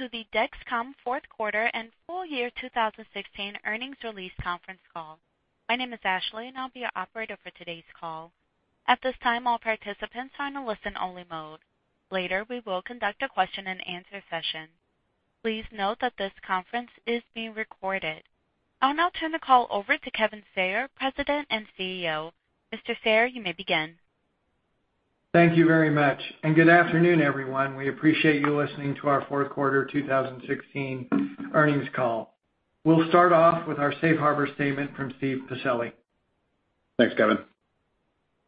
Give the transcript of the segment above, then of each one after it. Welcome to the Dexcom Q4 and full year 2016 earnings release conference call. My name is Ashley, and I'll be your operator for today's call. At this time, all participants are in a listen-only mode. Later, we will conduct a question-and-answer session. Please note that this conference is being recorded. I'll now turn the call over to Kevin Sayer, President and CEO. Mr. Sayer, you may begin. Thank you very much, and good afternoon, everyone. We appreciate you listening to our Q4 2016 earnings call. We'll start off with our safe harbor statement from Steven Pacelli. Thanks, Kevin.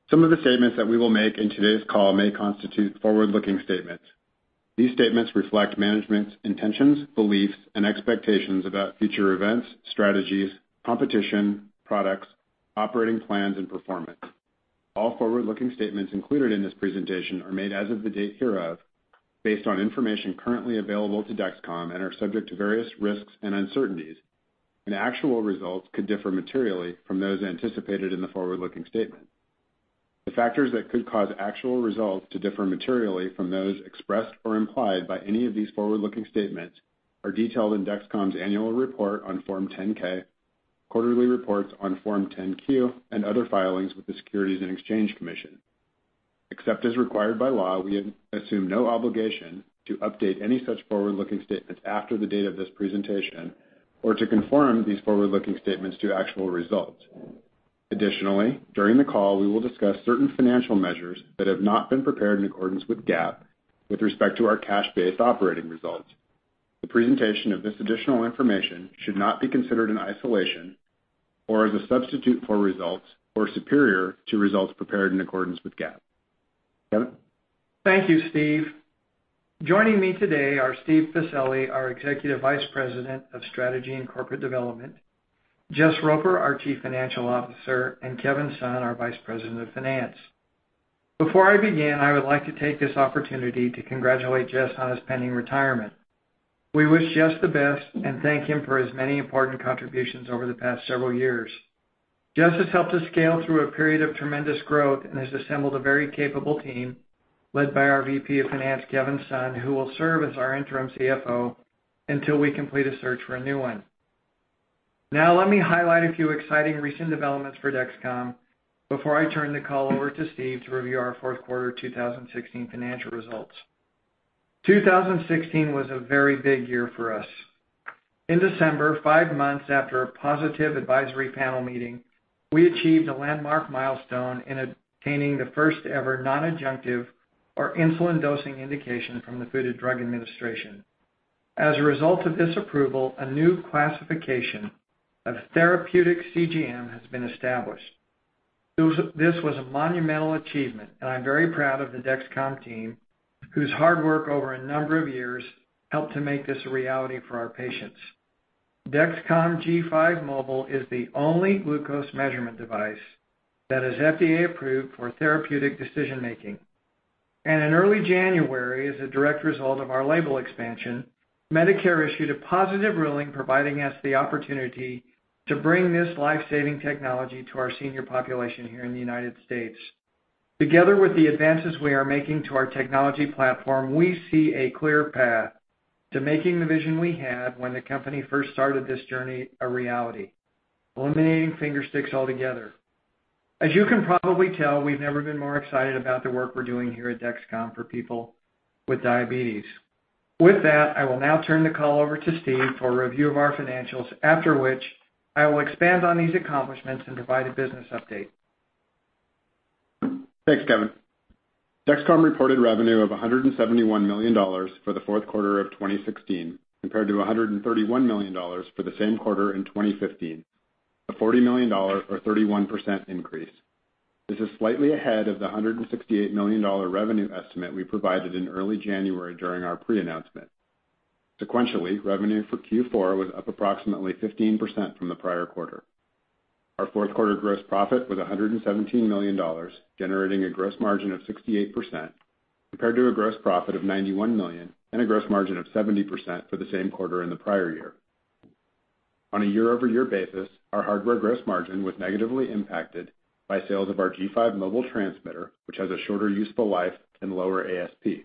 Some of the statements that we will make in today's call may constitute forward-looking statements. These statements reflect management's intentions, beliefs, and expectations about future events, strategies, competition, products, operating plans, and performance. All forward-looking statements included in this presentation are made as of the date hereof based on information currently available to Dexcom and are subject to various risks and uncertainties, and actual results could differ materially from those anticipated in the forward-looking statement. The factors that could cause actual results to differ materially from those expressed or implied by any of these forward-looking statements are detailed in Dexcom's annual report on Form 10-K, quarterly reports on Form 10-Q, and other filings with the Securities and Exchange Commission. Except as required by law, we assume no obligation to update any such forward-looking statements after the date of this presentation or to confirm these forward-looking statements to actual results. Additionally, during the call, we will discuss certain financial measures that have not been prepared in accordance with GAAP with respect to our cash-based operating results. The presentation of this additional information should not be considered in isolation or as a substitute for results or superior to results prepared in accordance with GAAP. Kevin? Thank you, Steve. Joining me today are Steve Pacelli, our Executive Vice President of Strategy and Corporate Development, Jess Roper, our Chief Financial Officer, and Kevin Sun, our Vice President of Finance. Before I begin, I would like to take this opportunity to congratulate Jess on his pending retirement. We wish Jess the best and thank him for his many important contributions over the past several years. Jess has helped us scale through a period of tremendous growth and has assembled a very capable team led by our VP of Finance, Kevin Sun, who will serve as our interim CFO until we complete a search for a new one. Now let me highlight a few exciting recent developments for Dexcom before I turn the call over to Steve to review our Q4 2016 financial results. 2016 was a very big year for us. In December, five months after a positive advisory panel meeting, we achieved a landmark milestone in obtaining the first-ever non-adjunctive or insulin dosing indication from the Food and Drug Administration. As a result of this approval, a new classification of therapeutic CGM has been established. This was a monumental achievement, and I'm very proud of the Dexcom team, whose hard work over a number of years helped to make this a reality for our patients. Dexcom G5 Mobile is the only glucose measurement device that is FDA-approved for therapeutic decision-making. In early January, as a direct result of our label expansion, Medicare issued a positive ruling providing us the opportunity to bring this life-saving technology to our senior population here in the United States. Together with the advances we are making to our technology platform, we see a clear path to making the vision we had when the company first started this journey a reality, eliminating finger sticks altogether. As you can probably tell, we've never been more excited about the work we're doing here at Dexcom for people with diabetes. With that, I will now turn the call over to Steve for a review of our financials, after which I will expand on these accomplishments and provide a business update. Thanks, Kevin. Dexcom reported revenue of $171 million for the Q4 of 2016, compared to $131 million for the same quarter in 2015, a $40 million or 31% increase. This is slightly ahead of the $168 million revenue estimate we provided in early January during our pre-announcement. Sequentially, revenue for Q4 was up approximately 15% from the prior quarter. Our Q4 gross profit was $117 million, generating a gross margin of 68%, compared to a gross profit of $91 million and a gross margin of 70% for the same quarter in the prior year. On a year-over-year basis, our hardware gross margin was negatively impacted by sales of our G5 Mobile transmitter, which has a shorter useful life and lower ASP.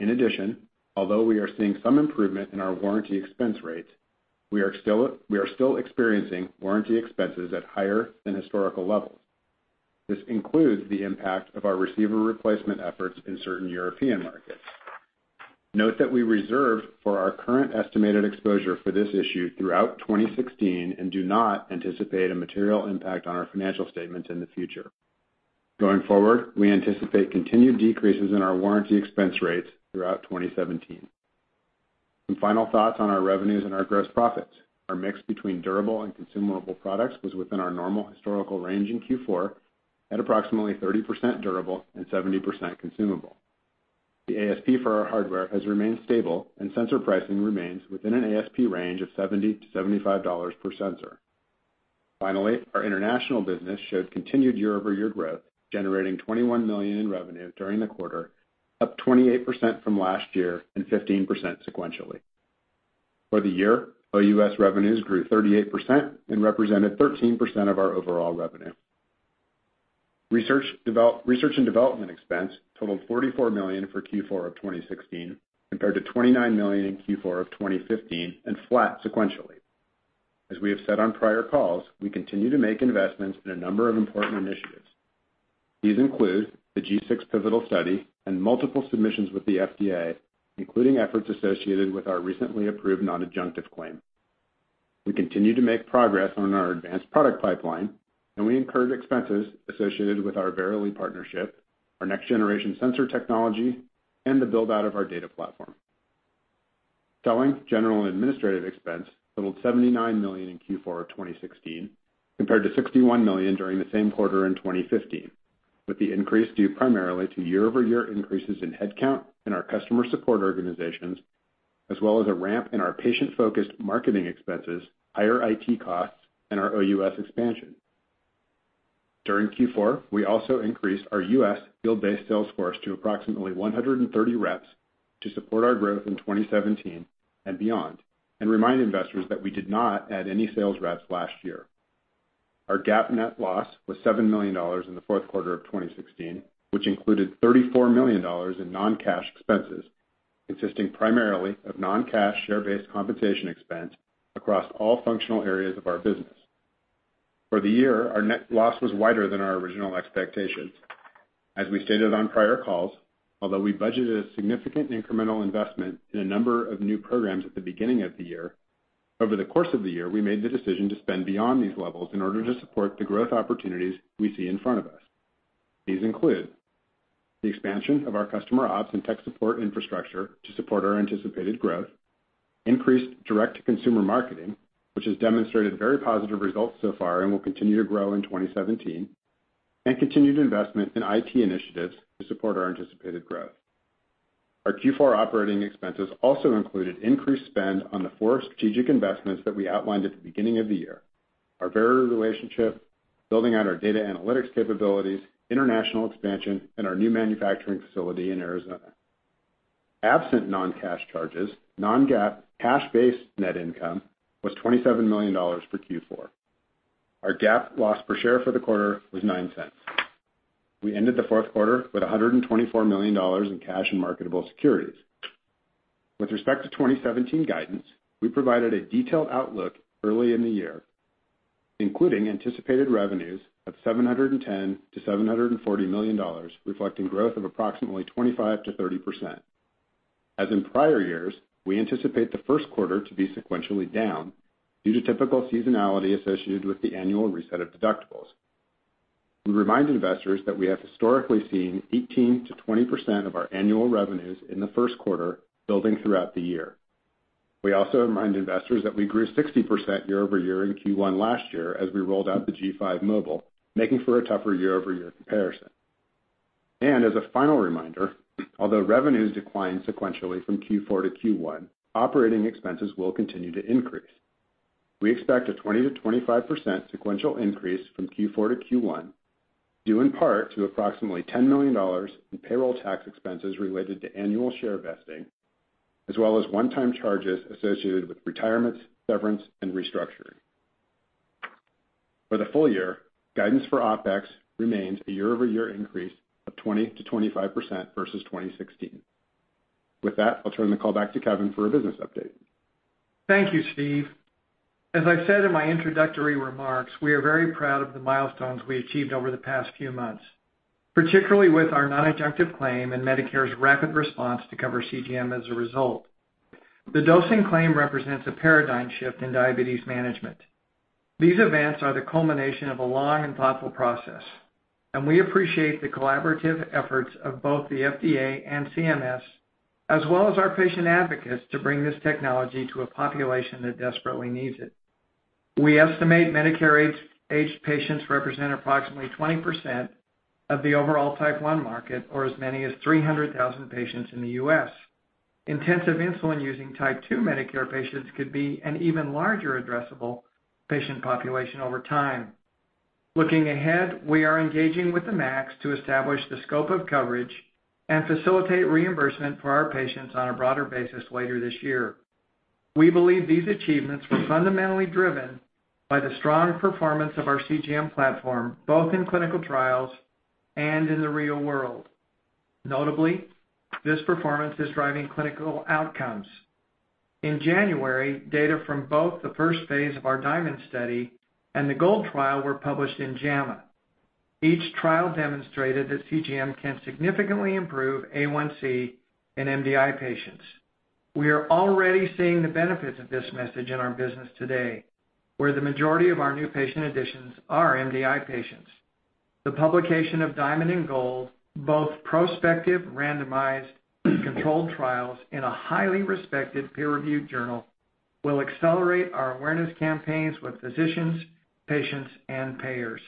In addition, although we are seeing some improvement in our warranty expense rate, we are still experiencing warranty expenses at higher than historical levels. This includes the impact of our receiver replacement efforts in certain European markets. Note that we reserved for our current estimated exposure for this issue throughout 2016 and do not anticipate a material impact on our financial statements in the future. Going forward, we anticipate continued decreases in our warranty expense rates throughout 2017. Some final thoughts on our revenues and our gross profits. Our mix between durable and consumable products was within our normal historical range in Q4 at approximately 30% durable and 70% consumable. The ASP for our hardware has remained stable, and sensor pricing remains within an ASP range of $70-$75 per sensor. Finally, our international business showed continued year-over-year growth, generating $21 million in revenue during the quarter, up 28% from last year and 15% sequentially. For the year, our U.S. revenues grew 38% and represented 13% of our overall revenue. Research and development expense totaled $44 million for Q4 of 2016 compared to $29 million in Q4 of 2015 and flat sequentially. We continue to make investments in a number of important initiatives. These include the G6 pivotal study and multiple submissions with the FDA, including efforts associated with our recently approved non-adjunctive claim. We continue to make progress on our advanced product pipeline, and we incurred expenses associated with our Verily partnership, our next-generation sensor technology, and the build-out of our data platform. Selling, general, and administrative expense totaled $79 million in Q4 of 2016 compared to $61 million during the same quarter in 2015, with the increase due primarily to year-over-year increases in headcount in our customer support organizations, as well as a ramp in our patient-focused marketing expenses, higher IT costs, and our OUS expansion. During Q4, we also increased our U.S. field-based sales force to approximately 130 reps to support our growth in 2017 and beyond and remind investors that we did not add any sales reps last year. Our GAAP net loss was $7 million in the Q4 of 2016, which included $34 million in non-cash expenses, consisting primarily of non-cash share-based compensation expense across all functional areas of our business. For the year, our net loss was wider than our original expectations. As we stated on prior calls, although we budgeted a significant incremental investment in a number of new programs at the beginning of the year, over the course of the year, we made the decision to spend beyond these levels in order to support the growth opportunities we see in front of us. These include the expansion of our customer ops and tech support infrastructure to support our anticipated growth, increased direct-to-consumer marketing, which has demonstrated very positive results so far and will continue to grow in 2017, and continued investment in IT initiatives to support our anticipated growth. Our Q4 operating expenses also included increased spend on the four strategic investments that we outlined at the beginning of the year, our Verily relationship, building out our data analytics capabilities, international expansion, and our new manufacturing facility in Arizona. Absent non-cash charges, non-GAAP cash-based net income was $27 million for Q4. Our GAAP loss per share for the quarter was $0.09. We ended the Q4 with $124 million in cash and marketable securities. With respect to 2017 guidance, we provided a detailed outlook early in the year, including anticipated revenues of $710 million-$740 million, reflecting growth of approximately 25%-30%. As in prior years, we anticipate the Q1 to be sequentially down due to typical seasonality associated with the annual reset of deductibles. We remind investors that we have historically seen 18%-20% of our annual revenues in the Q1 building throughout the year. We also remind investors that we grew 60% year over year in Q1 last year as we rolled out the G5 Mobile, making for a tougher year-over-year comparison. As a final reminder, although revenues decline sequentially from Q4-Q1, operating expenses will continue to increase. We expect a 20%-25% sequential increase from Q4-Q1, due in part to approximately $10 million in payroll tax expenses related to annual share vesting as well as one-time charges associated with retirements, severance, and restructuring. For the full year, guidance for OpEx remains a year-over-year increase of 20%-25% versus 2016. With that, I'll turn the call back to Kevin for a business update. Thank you, Steve. As I said in my introductory remarks, we are very proud of the milestones we achieved over the past few months, particularly with our non-adjunctive claim and Medicare's rapid response to cover CGM as a result. The dosing claim represents a paradigm shift in diabetes management. These events are the culmination of a long and thoughtful process, and we appreciate the collaborative efforts of both the FDA and CMS, as well as our patient advocates, to bring this technology to a population that desperately needs it. We estimate Medicare-aged patients represent approximately 20% of the overall Type 1 market, or as many as 300,000 patients in the U.S. Intensive insulin-using Type 2 Medicare patients could be an even larger addressable patient population over time. Looking ahead, we are engaging with the MACs to establish the scope of coverage and facilitate reimbursement for our patients on a broader basis later this year. We believe these achievements were fundamentally driven by the strong performance of our CGM platform, both in clinical trials and in the real world. Notably, this performance is driving clinical outcomes. In January, data from both the first phase of our DIAMOND study and the GOLD trial were published in JAMA. Each trial demonstrated that CGM can significantly improve A1C in MDI patients. We are already seeing the benefits of this message in our business today, where the majority of our new patient additions are MDI patients. The publication of DIAMOND and GOLD, both prospective randomized controlled trials in a highly respected peer-reviewed journal, will accelerate our awareness campaigns with physicians, patients, and payers.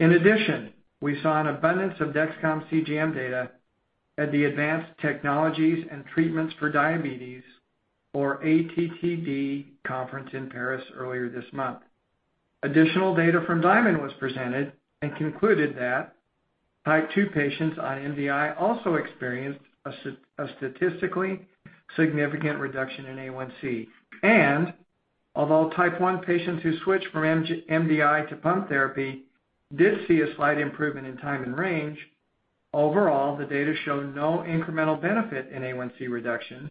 In addition, we saw an abundance of Dexcom CGM data at the Advanced Technologies and Treatments for Diabetes, or ATTD, conference in Paris earlier this month. Additional data from DIAMOND was presented and concluded that Type 2 patients on MDI also experienced a statistically significant reduction in A1C. Although Type 1 patients who switched from MDI to pump therapy did see a slight improvement in time and range, overall, the data show no incremental benefit in A1C reduction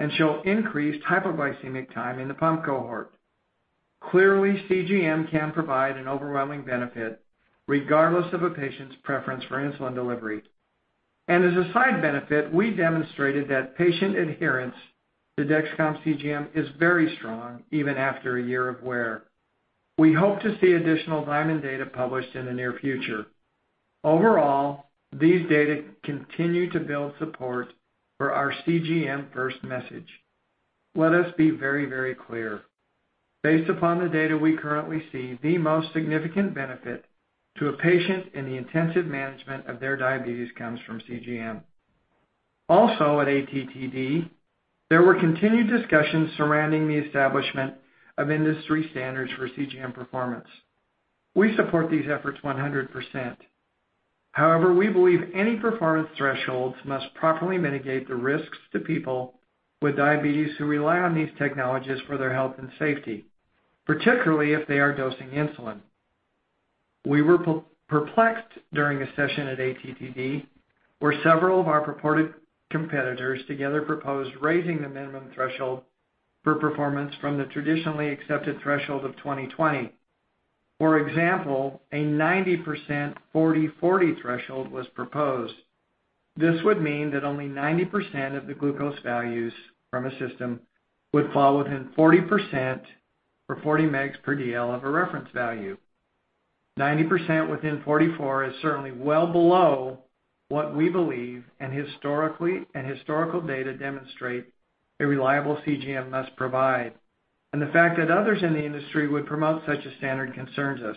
and show increased hypoglycemic time in the pump cohort. Clearly, CGM can provide an overwhelming benefit regardless of a patient's preference for insulin delivery. As a side benefit, we demonstrated that patient adherence to Dexcom CGM is very strong even after a year of wear. We hope to see additional DIAMOND data published in the near future. Overall, these data continue to build support for our CGM first message. Let us be very, very clear. Based upon the data we currently see, the most significant benefit to a patient in the intensive management of their diabetes comes from CGM. Also, at ATTD, there were continued discussions surrounding the establishment of industry standards for CGM performance. We support these efforts 100%. However, we believe any performance thresholds must properly mitigate the risks to people with diabetes who rely on these technologies for their health and safety, particularly if they are dosing insulin. We were perplexed during a session at ATTD, where several of our purported competitors together proposed raising the minimum threshold for performance from the traditionally accepted threshold of 20/20. For example, a 90% 40/40 threshold was proposed. This would mean that only 90% of the glucose values from a system would fall within 40% or 40 mg/dL of a reference value. 90% within 44 is certainly well below what we believe and historical data demonstrate a reliable CGM must provide. The fact that others in the industry would promote such a standard concerns us.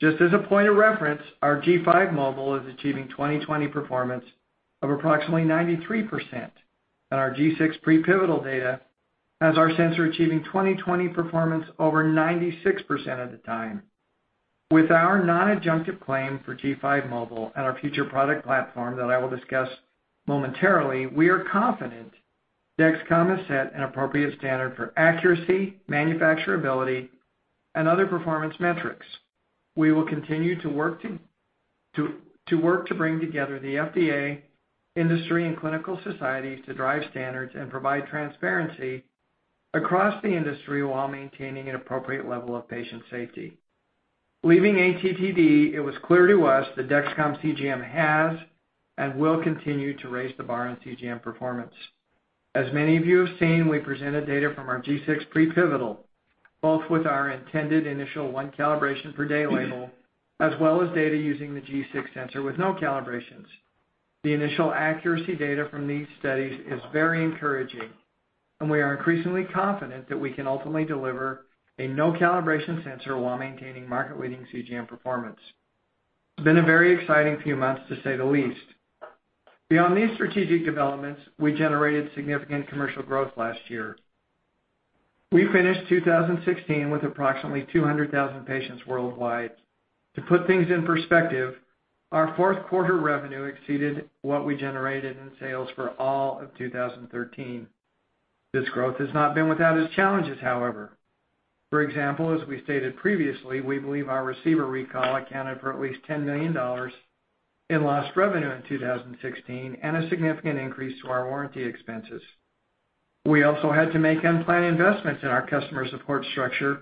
Just as a point of reference, our G5 Mobile is achieving 20/20 performance of approximately 93%, and our G6 prepivotal data has our sensor achieving 20/20 performance over 96% of the time. With our non-adjunctive claim for G5 Mobile and our future product platform that I will discuss momentarily, we are confident Dexcom has set an appropriate standard for accuracy, manufacturability, and other performance metrics. We will continue to work to bring together the FDA, industry, and clinical societies to drive standards and provide transparency across the industry while maintaining an appropriate level of patient safety. Leaving ATTD, it was clear to us that Dexcom CGM has and will continue to raise the bar in CGM performance. As many of you have seen, we presented data from our G6 prepivotal, both with our intended initial one calibration per day label, as well as data using the G6 sensor with no calibrations. The initial accuracy data from these studies is very encouraging, and we are increasingly confident that we can ultimately deliver a no calibration sensor while maintaining market-leading CGM performance. Been a very exciting few months, to say the least. Beyond these strategic developments, we generated significant commercial growth last year. We finished 2016 with approximately 200,000 patients worldwide. To put things in perspective, our Q4 revenue exceeded what we generated in sales for all of 2013. This growth has not been without its challenges, however. For example, as we stated previously, we believe our receiver recall accounted for at least $10 million in lost revenue in 2016 and a significant increase to our warranty expenses. We also had to make unplanned investments in our customer support structure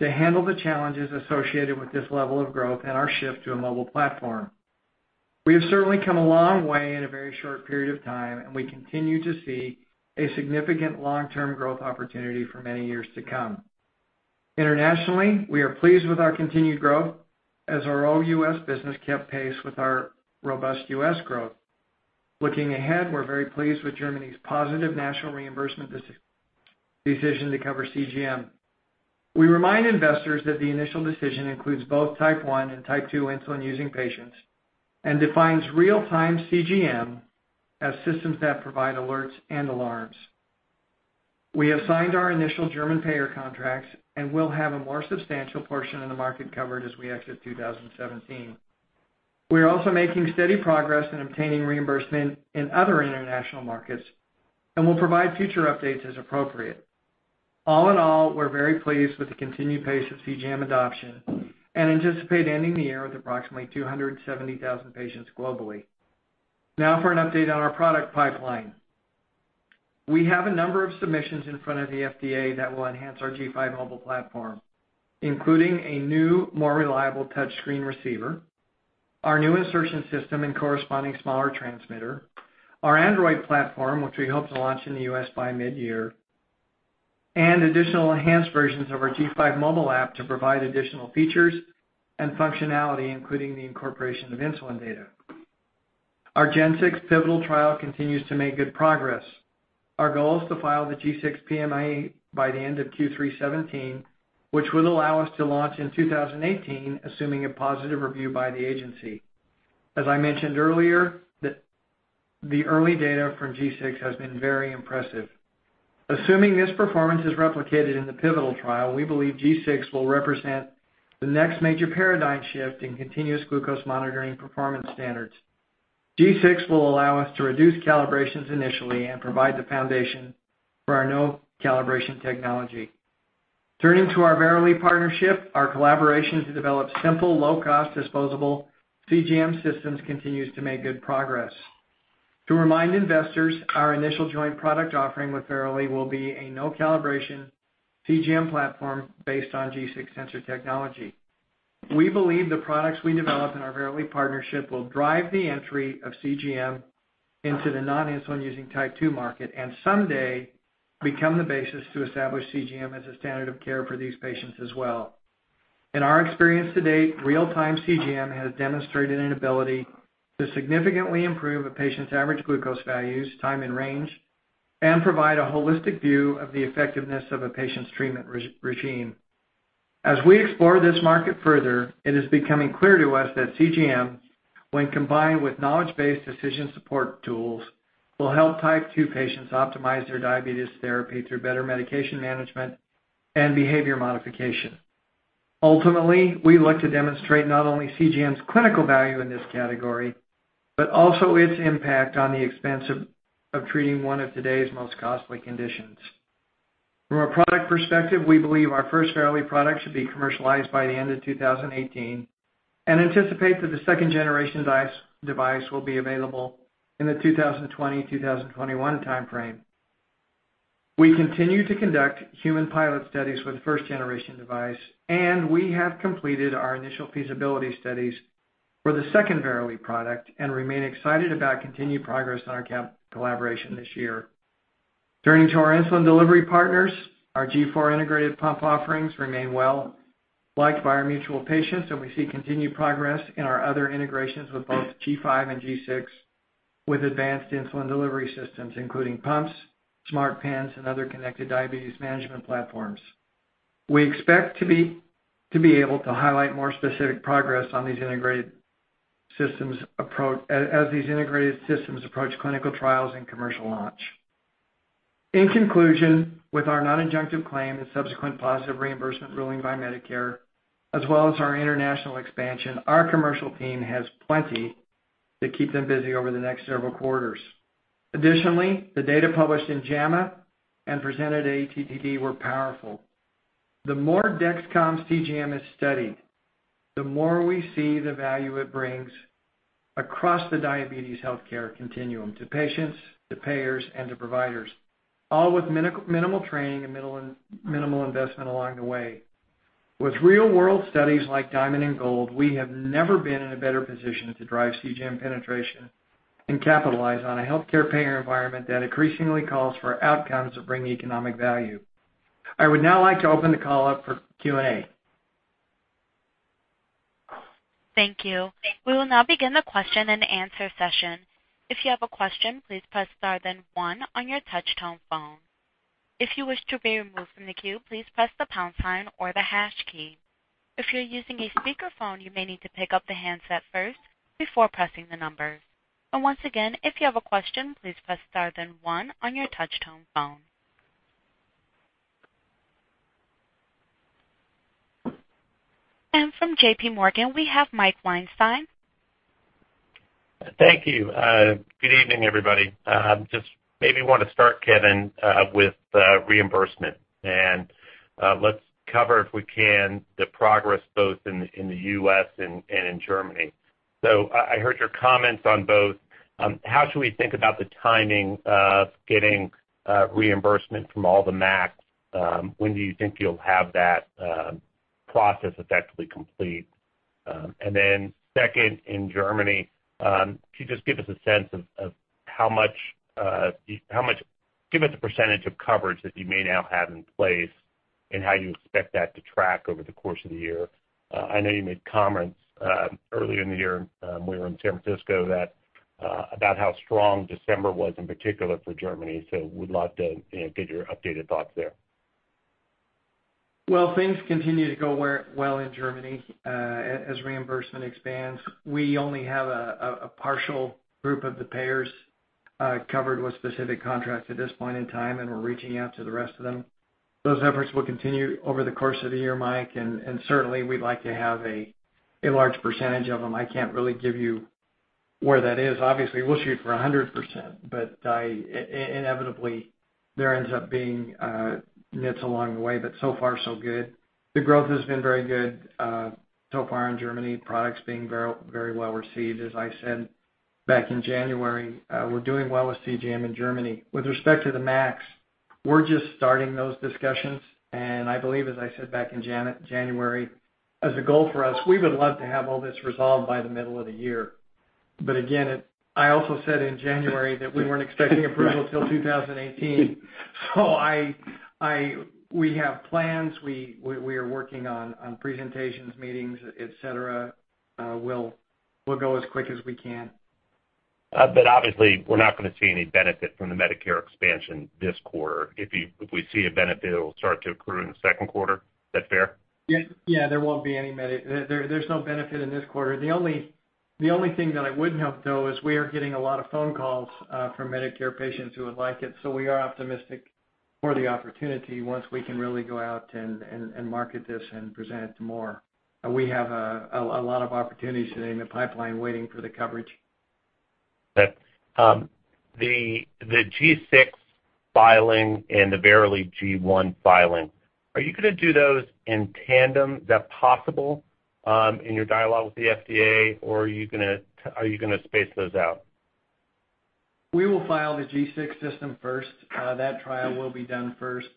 to handle the challenges associated with this level of growth and our shift to a mobile platform. We have certainly come a long way in a very short period of time, and we continue to see a significant long-term growth opportunity for many years to come. Internationally, we are pleased with our continued growth as our OUS business kept pace with our robust U.S. growth. Looking ahead, we're very pleased with Germany's positive national reimbursement decision to cover CGM. We remind investors that the initial decision includes both Type 1 and Type 2 insulin-using patients and defines real-time CGM as systems that provide alerts and alarms. We have signed our initial German payer contracts and will have a more substantial portion of the market covered as we exit 2017. We are also making steady progress in obtaining reimbursement in other international markets and will provide future updates as appropriate. All in all, we're very pleased with the continued pace of CGM adoption and anticipate ending the year with approximately 270,000 patients globally. Now for an update on our product pipeline. We have a number of submissions in front of the FDA that will enhance our G5 Mobile platform, including a new, more reliable touchscreen receiver, our new insertion system and corresponding smaller transmitter, our Android platform, which we hope to launch in the U.S. by mid-year, and additional enhanced versions of our G5 Mobile app to provide additional features and functionality, including the incorporation of insulin data. Our G6 pivotal trial continues to make good progress. Our goal is to file the G6 PMA by the end of Q3 2017, which will allow us to launch in 2018, assuming a positive review by the agency. As I mentioned earlier, the early data from G6 has been very impressive. Assuming this performance is replicated in the pivotal trial, we believe G6 will represent the next major paradigm shift in continuous glucose monitoring performance standards. G6 will allow us to reduce calibrations initially and provide the foundation for our no-calibration technology. Turning to our Verily partnership, our collaboration to develop simple, low-cost disposable CGM systems continues to make good progress. To remind investors, our initial joint product offering with Verily will be a no-calibration CGM platform based on G6 sensor technology. We believe the products we develop in our Verily partnership will drive the entry of CGM into the non-insulin using Type 2 market and someday become the basis to establish CGM as a standard of care for these patients as well. In our experience to date, real-time CGM has demonstrated an ability to significantly improve a patient's average glucose values, time and range, and provide a holistic view of the effectiveness of a patient's treatment regimen. As we explore this market further, it is becoming clear to us that CGM, when combined with knowledge-based decision support tools, will help Type 2 patients optimize their diabetes therapy through better medication management and behavior modification. Ultimately, we look to demonstrate not only CGM's clinical value in this category, but also its impact on the expense of treating one of today's most costly conditions. From a product perspective, we believe our first Verily product should be commercialized by the end of 2018 and anticipate that the second generation device will be available in the 2020, 2021 timeframe. We continue to conduct human pilot studies with first generation device, and we have completed our initial feasibility studies for the second Verily product and remain excited about continued progress on our collaboration this year. Turning to our insulin delivery partners, our G4 integrated pump offerings remain well liked by our mutual patients, and we see continued progress in our other integrations with both G5 and G6 with advanced insulin delivery systems, including pumps, smart pens, and other connected diabetes management platforms. We expect to be able to highlight more specific progress on these integrated systems as these integrated systems approach clinical trials and commercial launch. In conclusion, with our non-adjunctive claim and subsequent positive reimbursement ruling by Medicare, as well as our international expansion, our commercial team has plenty to keep them busy over the next several quarters. Additionally, the data published in JAMA and presented at ATTD were powerful. The more Dexcom's CGM is studied, the more we see the value it brings across the diabetes healthcare continuum to patients, to payers, and to providers, all with minimal training and minimal investment along the way. With real-world studies like DIAMOND and GOLD, we have never been in a better position to drive CGM penetration and capitalize on a healthcare payer environment that increasingly calls for outcomes that bring economic value. I would now like to open the call up for Q&A. Thank you. We will now begin the question and answer session. If you have a question, please press star then one on your touch tone phone. If you wish to be removed from the queue, please press the pound sign or the hash key. If you're using a speakerphone, you may need to pick up the handset first before pressing the numbers. Once again, if you have a question, please press star then one on your touch tone phone. From JPMorgan, we have Mike Weinstein. Thank you. Good evening, everybody. Just maybe wanna start, Kevin, with reimbursement. Let's cover, if we can, the progress both in the U.S. and in Germany. I heard your comments on both. How should we think about the timing of getting reimbursement from all the MACs? When do you think you'll have that process effectively complete? Second, in Germany, could you just give us a sense of a percentage of coverage that you may now have in place and how you expect that to track over the course of the year. I know you made comments earlier in the year when you were in San Francisco about how strong December was in particular for Germany. Would love to, you know, get your updated thoughts there. Well, things continue to go well in Germany as reimbursement expands. We only have a partial group of the payers covered with specific contracts at this point in time, and we're reaching out to the rest of them. Those efforts will continue over the course of the year, Mike, and certainly we'd like to have a large percentage of them. I can't really give you where that is. Obviously, we'll shoot for 100%, but inevitably there ends up being nits along the way, but so far so good. The growth has been very good so far in Germany, products being very, very well received. As I said back in January, we're doing well with CGM in Germany. With respect to the MACs, we're just starting those discussions, and I believe, as I said back in January, as a goal for us, we would love to have all this resolved by the middle of the year. Again, it. I also said in January that we weren't expecting approval till 2018. I—we have plans. We are working on presentations, meetings, et cetera. We'll go as quick as we can. Obviously, we're not gonna see any benefit from the Medicare expansion this quarter. If we see a benefit, it will start to accrue in the Q2. Is that fair? Yeah. Yeah, there won't be any Medicare benefit in this quarter. The only thing that I would note, though, is we are getting a lot of phone calls from Medicare patients who would like it, so we are optimistic about the opportunity once we can really go out and market this and present it to more. We have a lot of opportunities in the pipeline waiting for the coverage. Okay. The G6 filing and the Verily G1 filing, are you gonna do those in tandem? Is that possible in your dialogue with the FDA, or are you gonna space those out? We will file the G6 system first. That trial will be done first,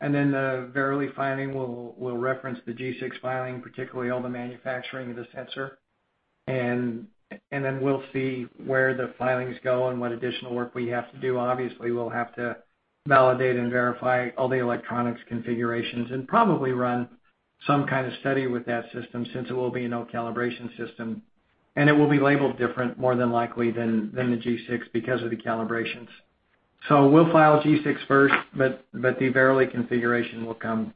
and then the Verily filing will reference the G6 filing, particularly all the manufacturing of the sensor. Then we'll see where the filings go and what additional work we have to do. Obviously, we'll have to validate and verify all the electronics configurations and probably run some kind of study with that system since it will be a no calibration system. It will be labeled different more than likely than the G6 because of the calibrations. We'll file G6 first, but the Verily configuration will come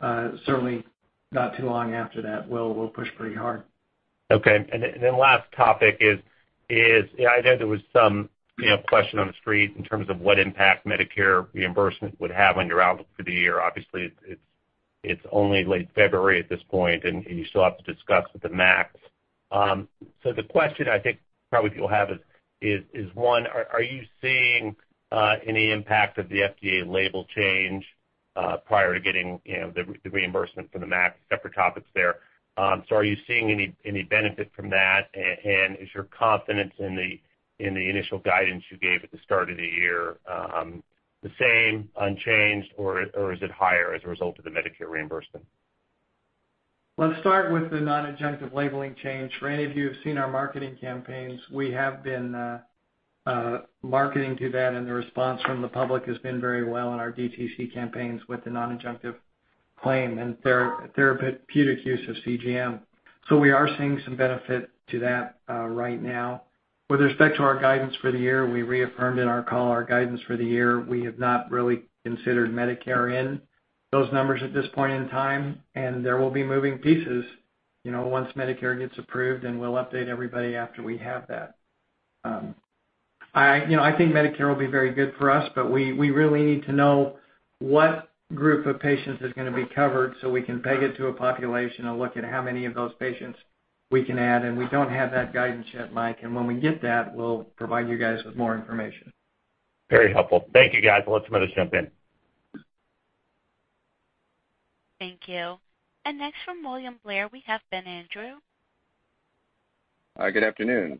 certainly not too long after that. We'll push pretty hard. Okay. Last topic is, you know, I know there was some, you know, question on the street in terms of what impact Medicare reimbursement would have on your outlook for the year. Obviously, it's only late February at this point, and you still have to discuss with the MAC. The question I think probably people have is one, are you seeing any impact of the FDA label change prior to getting, you know, the reimbursement from the MAC? Separate topics there. Are you seeing any benefit from that? Is your confidence in the initial guidance you gave at the start of the year the same, unchanged, or is it higher as a result of the Medicare reimbursement? Let's start with the non-adjunctive labeling change. For any of you who've seen our marketing campaigns, we have been marketing to that, and the response from the public has been very well in our DTC campaigns with the non-adjunctive claim and therapeutic use of CGM. We are seeing some benefit to that, right now. With respect to our guidance for the year, we reaffirmed in our call our guidance for the year. We have not really considered Medicare in those numbers at this point in time, and there will be moving pieces, you know, once Medicare gets approved, and we'll update everybody after we have that. You know, I think Medicare will be very good for us, but we really need to know what group of patients is gonna be covered so we can peg it to a population and look at how many of those patients we can add, and we don't have that guidance yet, Mike. When we get that, we'll provide you guys with more information. Very helpful. Thank you, guys. I'll let somebody else jump in. Thank you. Next from William Blair, we have Ben Andrew. Hi, good afternoon.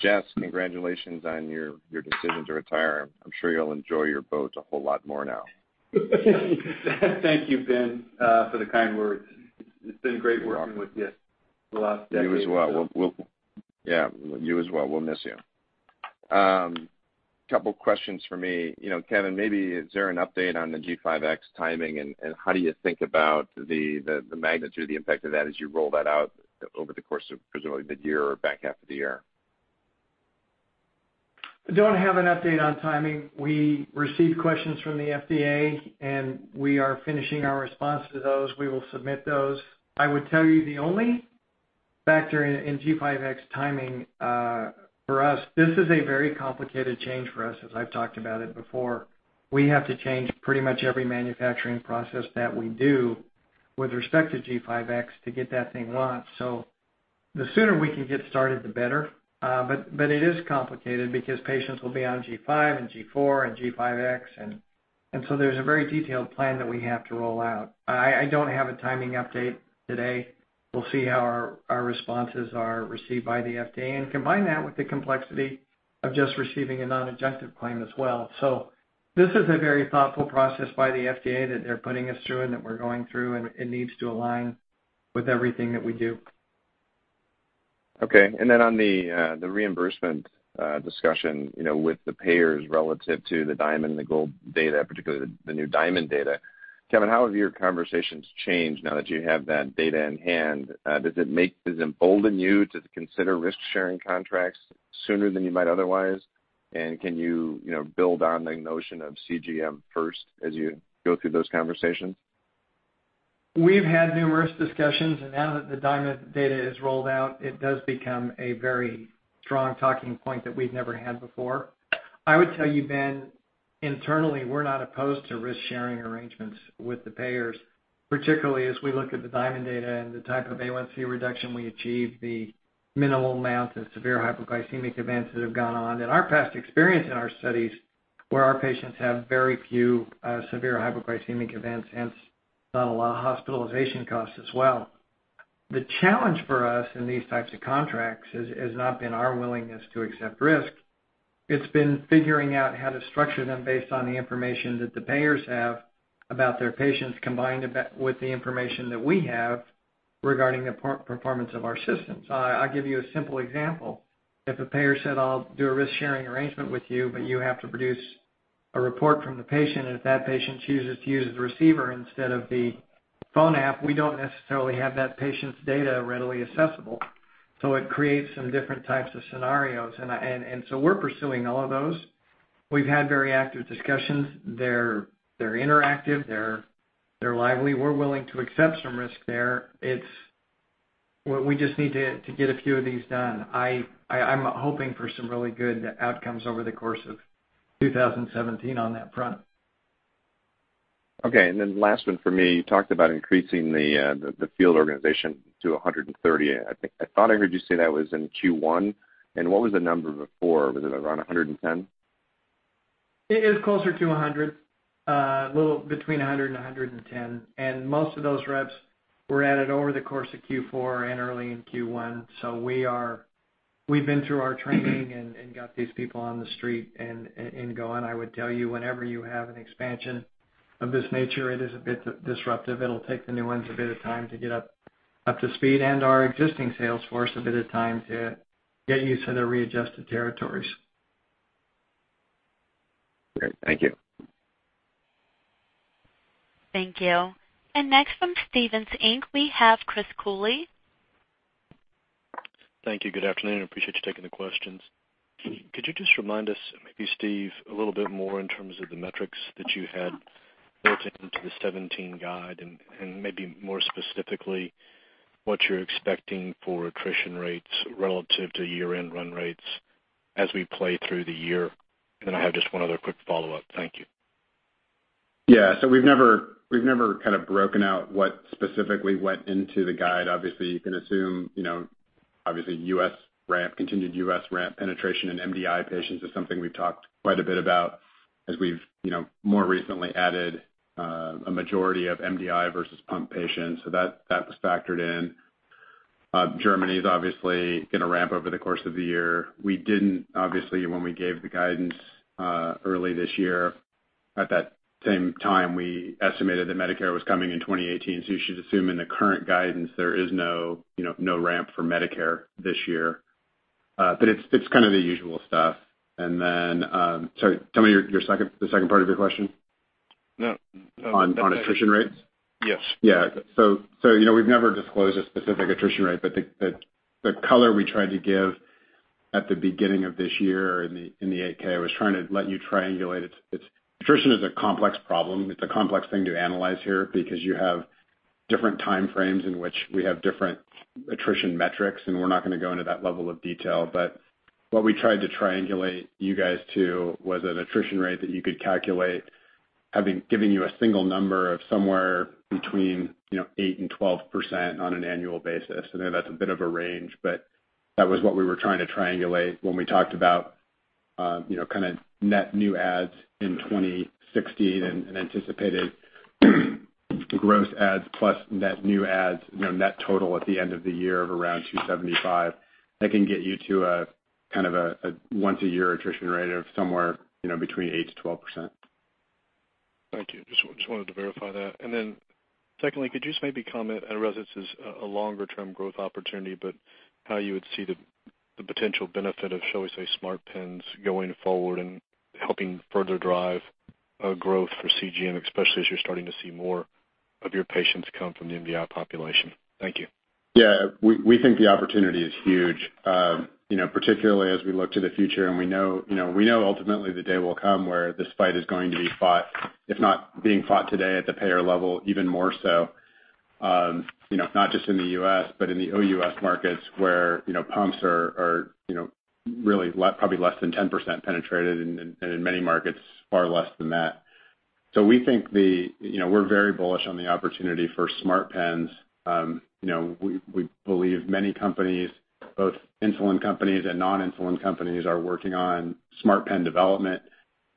Jess, congratulations on your decision to retire. I'm sure you'll enjoy your boats a whole lot more now. Thank you, Ben, for the kind words. It's been great working with you the last decade, so. You as well. Yeah, you as well. We'll miss you. Couple questions from me. You know, Kevin, maybe is there an update on the G5x timing, and how do you think about the magnitude of the impact of that as you roll that out over the course of presumably the year or back half of the year? I don't have an update on timing. We received questions from the FDA, and we are finishing our response to those. We will submit those. I would tell you the only factor in G5x timing for us, this is a very complicated change for us, as I've talked about it before. We have to change pretty much every manufacturing process that we do with respect to G5x to get that thing launched. The sooner we can get started, the better. But it is complicated because patients will be on G5 and G4 and G5x. And so there's a very detailed plan that we have to roll out. I don't have a timing update today. We'll see how our responses are received by the FDA, and combine that with the complexity of just receiving a non-adjunctive claim as well. This is a very thoughtful process by the FDA that they're putting us through and that we're going through, and it needs to align with everything that we do. Okay. Then on the reimbursement discussion, you know, with the payers relative to the DIAMOND and the GOLD data, particularly the new DIAMOND data. Kevin, how have your conversations changed now that you have that data in hand? Does it embolden you to consider risk-sharing contracts sooner than you might otherwise? Can you know, build on the notion of CGM first as you go through those conversations? We've had numerous discussions, and now that the DIAMOND data is rolled out, it does become a very strong talking point that we've never had before. I would tell you, Ben, internally, we're not opposed to risk-sharing arrangements with the payers, particularly as we look at the DIAMOND data and the type of A1C reduction we achieved, the minimal amount of severe hypoglycemic events that have gone on. In our past experience in our studies where our patients have very few severe hypoglycemic events, hence not a lot of hospitalization costs as well. The challenge for us in these types of contracts has not been our willingness to accept risk. It's been figuring out how to structure them based on the information that the payers have about their patients combined with the information that we have regarding the performance of our systems. I'll give you a simple example. If a payer said, "I'll do a risk-sharing arrangement with you, but you have to produce a report from the patient," and if that patient chooses to use the receiver instead of the phone app, we don't necessarily have that patient's data readily accessible. It creates some different types of scenarios. We're pursuing all of those. We've had very active discussions. They're interactive. They're lively. We're willing to accept some risk there. It's, well, we just need to get a few of these done. I'm hoping for some really good outcomes over the course of 2017 on that front. Okay. Last one for me. You talked about increasing the field organization to 130. I thought I heard you say that was in Q1. What was the number before? Was it around 110? It is closer to 100, a little between 100 and 110. Most of those reps were added over the course of Q4 and early in Q1. We've been through our training and got these people on the street and going. I would tell you, whenever you have an expansion of this nature, it is a bit disruptive. It'll take the new ones a bit of time to get up to speed and our existing sales force a bit of time to get used to the readjusted territories. Great. Thank you. Thank you. Next from Stephens Inc., we have Chris Cooley. Thank you. Good afternoon. I appreciate you taking the questions. Could you just remind us, maybe Steve, a little bit more in terms of the metrics that you had built into the 17 guide and maybe more specifically, what you're expecting for attrition rates relative to year-end run rates as we play through the year? I have just one other quick follow-up. Thank you. Yeah. We've never kind of broken out what specifically went into the guide. Obviously, you can assume, you know, obviously U.S. ramp, continued U.S. ramp penetration in MDI patients is something we've talked quite a bit about as we've, you know, more recently added a majority of MDI versus pump patients. That was factored in. Germany is obviously gonna ramp over the course of the year. We didn't obviously, when we gave the guidance early this year. At that same time, we estimated that Medicare was coming in 2018. You should assume in the current guidance there is no, you know, no ramp for Medicare this year. It's kind of the usual stuff. Sorry, tell me the second part of your question. No. On attrition rates? Yes. Yeah. You know, we've never disclosed a specific attrition rate, but the color we tried to give at the beginning of this year in the 8-K, I was trying to let you triangulate it. Attrition is a complex problem. It's a complex thing to analyze here because you have different time frames in which we have different attrition metrics, and we're not gonna go into that level of detail. What we tried to triangulate you guys to was an attrition rate that you could calculate, having given you a single number of somewhere between, you know, 8% and 12% on an annual basis. I know that's a bit of a range, but that was what we were trying to triangulate when we talked about, you know, kinda net new adds in 2016 and anticipated gross adds plus net new adds, you know, net total at the end of the year of around 275. That can get you to a kind of a once a year attrition rate of somewhere, you know, between 8%-12%. Thank you. Just wanted to verify that. Then secondly, could you just maybe comment? I realize this is a longer term growth opportunity, but how you would see the potential benefit of, shall we say, smart pens going forward and helping further drive growth for CGM, especially as you're starting to see more of your patients come from the MDI population. Thank you. Yeah. We think the opportunity is huge. You know, particularly as we look to the future and we know ultimately the day will come where this fight is going to be fought, if not being fought today at the payer level, even more so, you know, not just in the U.S., but in the OUS markets where, you know, pumps are really probably less than 10% penetrated and in many markets, far less than that. We think, you know, we're very bullish on the opportunity for smart pens. You know, we believe many companies, both insulin companies and non-insulin companies, are working on smart pen development.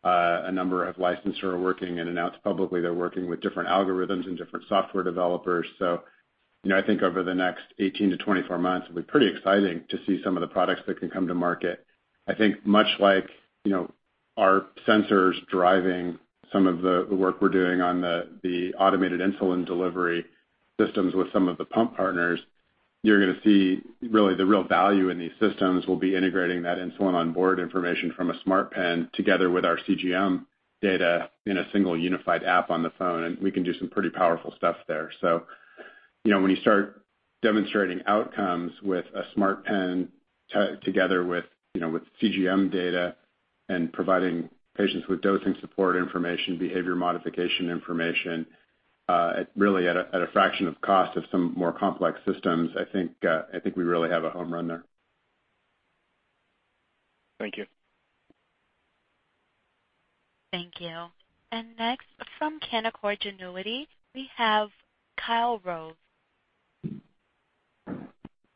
A number of licensees are working and announced publicly they're working with different algorithms and different software developers. You know, I think over the next 18-24 months, it'll be pretty exciting to see some of the products that can come to market. I think much like, you know, our sensors driving some of the work we're doing on the automated insulin delivery systems with some of the pump partners, you're gonna see really the real value in these systems will be integrating that insulin on board information from a smart pen together with our CGM data in a single unified app on the phone, and we can do some pretty powerful stuff there. You know, when you start demonstrating outcomes with a smart pen together with, you know, with CGM data and providing patients with dosing support information, behavior modification information, at really a fraction of cost of some more complex systems, I think we really have a home run there. Thank you. Thank you. Next from Canaccord Genuity, we have Kyle Rose.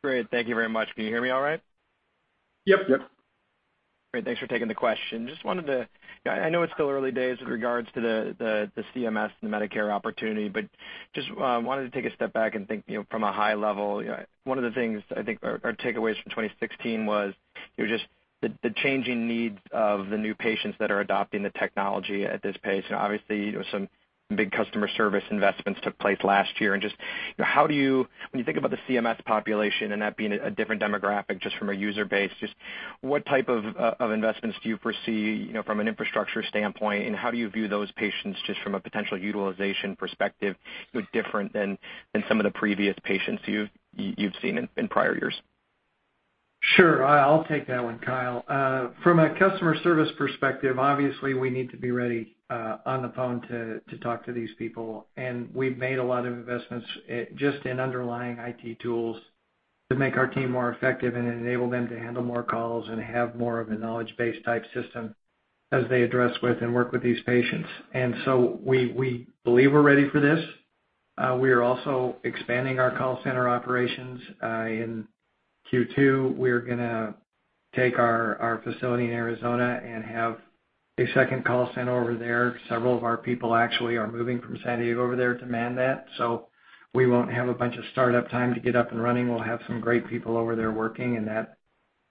Great. Thank you very much. Can you hear me all right? Yep. Yep. Great. Thanks for taking the question. Just wanted to I know it's still early days with regards to the CMS and the Medicare opportunity, but just wanted to take a step back and think, you know, from a high level, one of the things I think or takeaways from 2016 was just the changing needs of the new patients that are adopting the technology at this pace. Obviously, there were some big customer service investments took place last year. Just how do you, when you think about the CMS population and that being a different demographic just from a user base, just what type of investments do you foresee, you know, from an infrastructure standpoint, and how do you view those patients just from a potential utilization perspective, what's different than some of the previous patients you've seen in prior years? Sure. I'll take that one, Kyle. From a customer service perspective, obviously, we need to be ready on the phone to talk to these people. We've made a lot of investments in just underlying IT tools to make our team more effective and enable them to handle more calls and have more of a knowledge base type system as they address with and work with these patients. We believe we're ready for this. We are also expanding our call center operations in Q2. We're gonna take our facility in Arizona and have a second call center over there. Several of our people actually are moving from San Diego over there to man that. We won't have a bunch of startup time to get up and running. We'll have some great people over there working, and that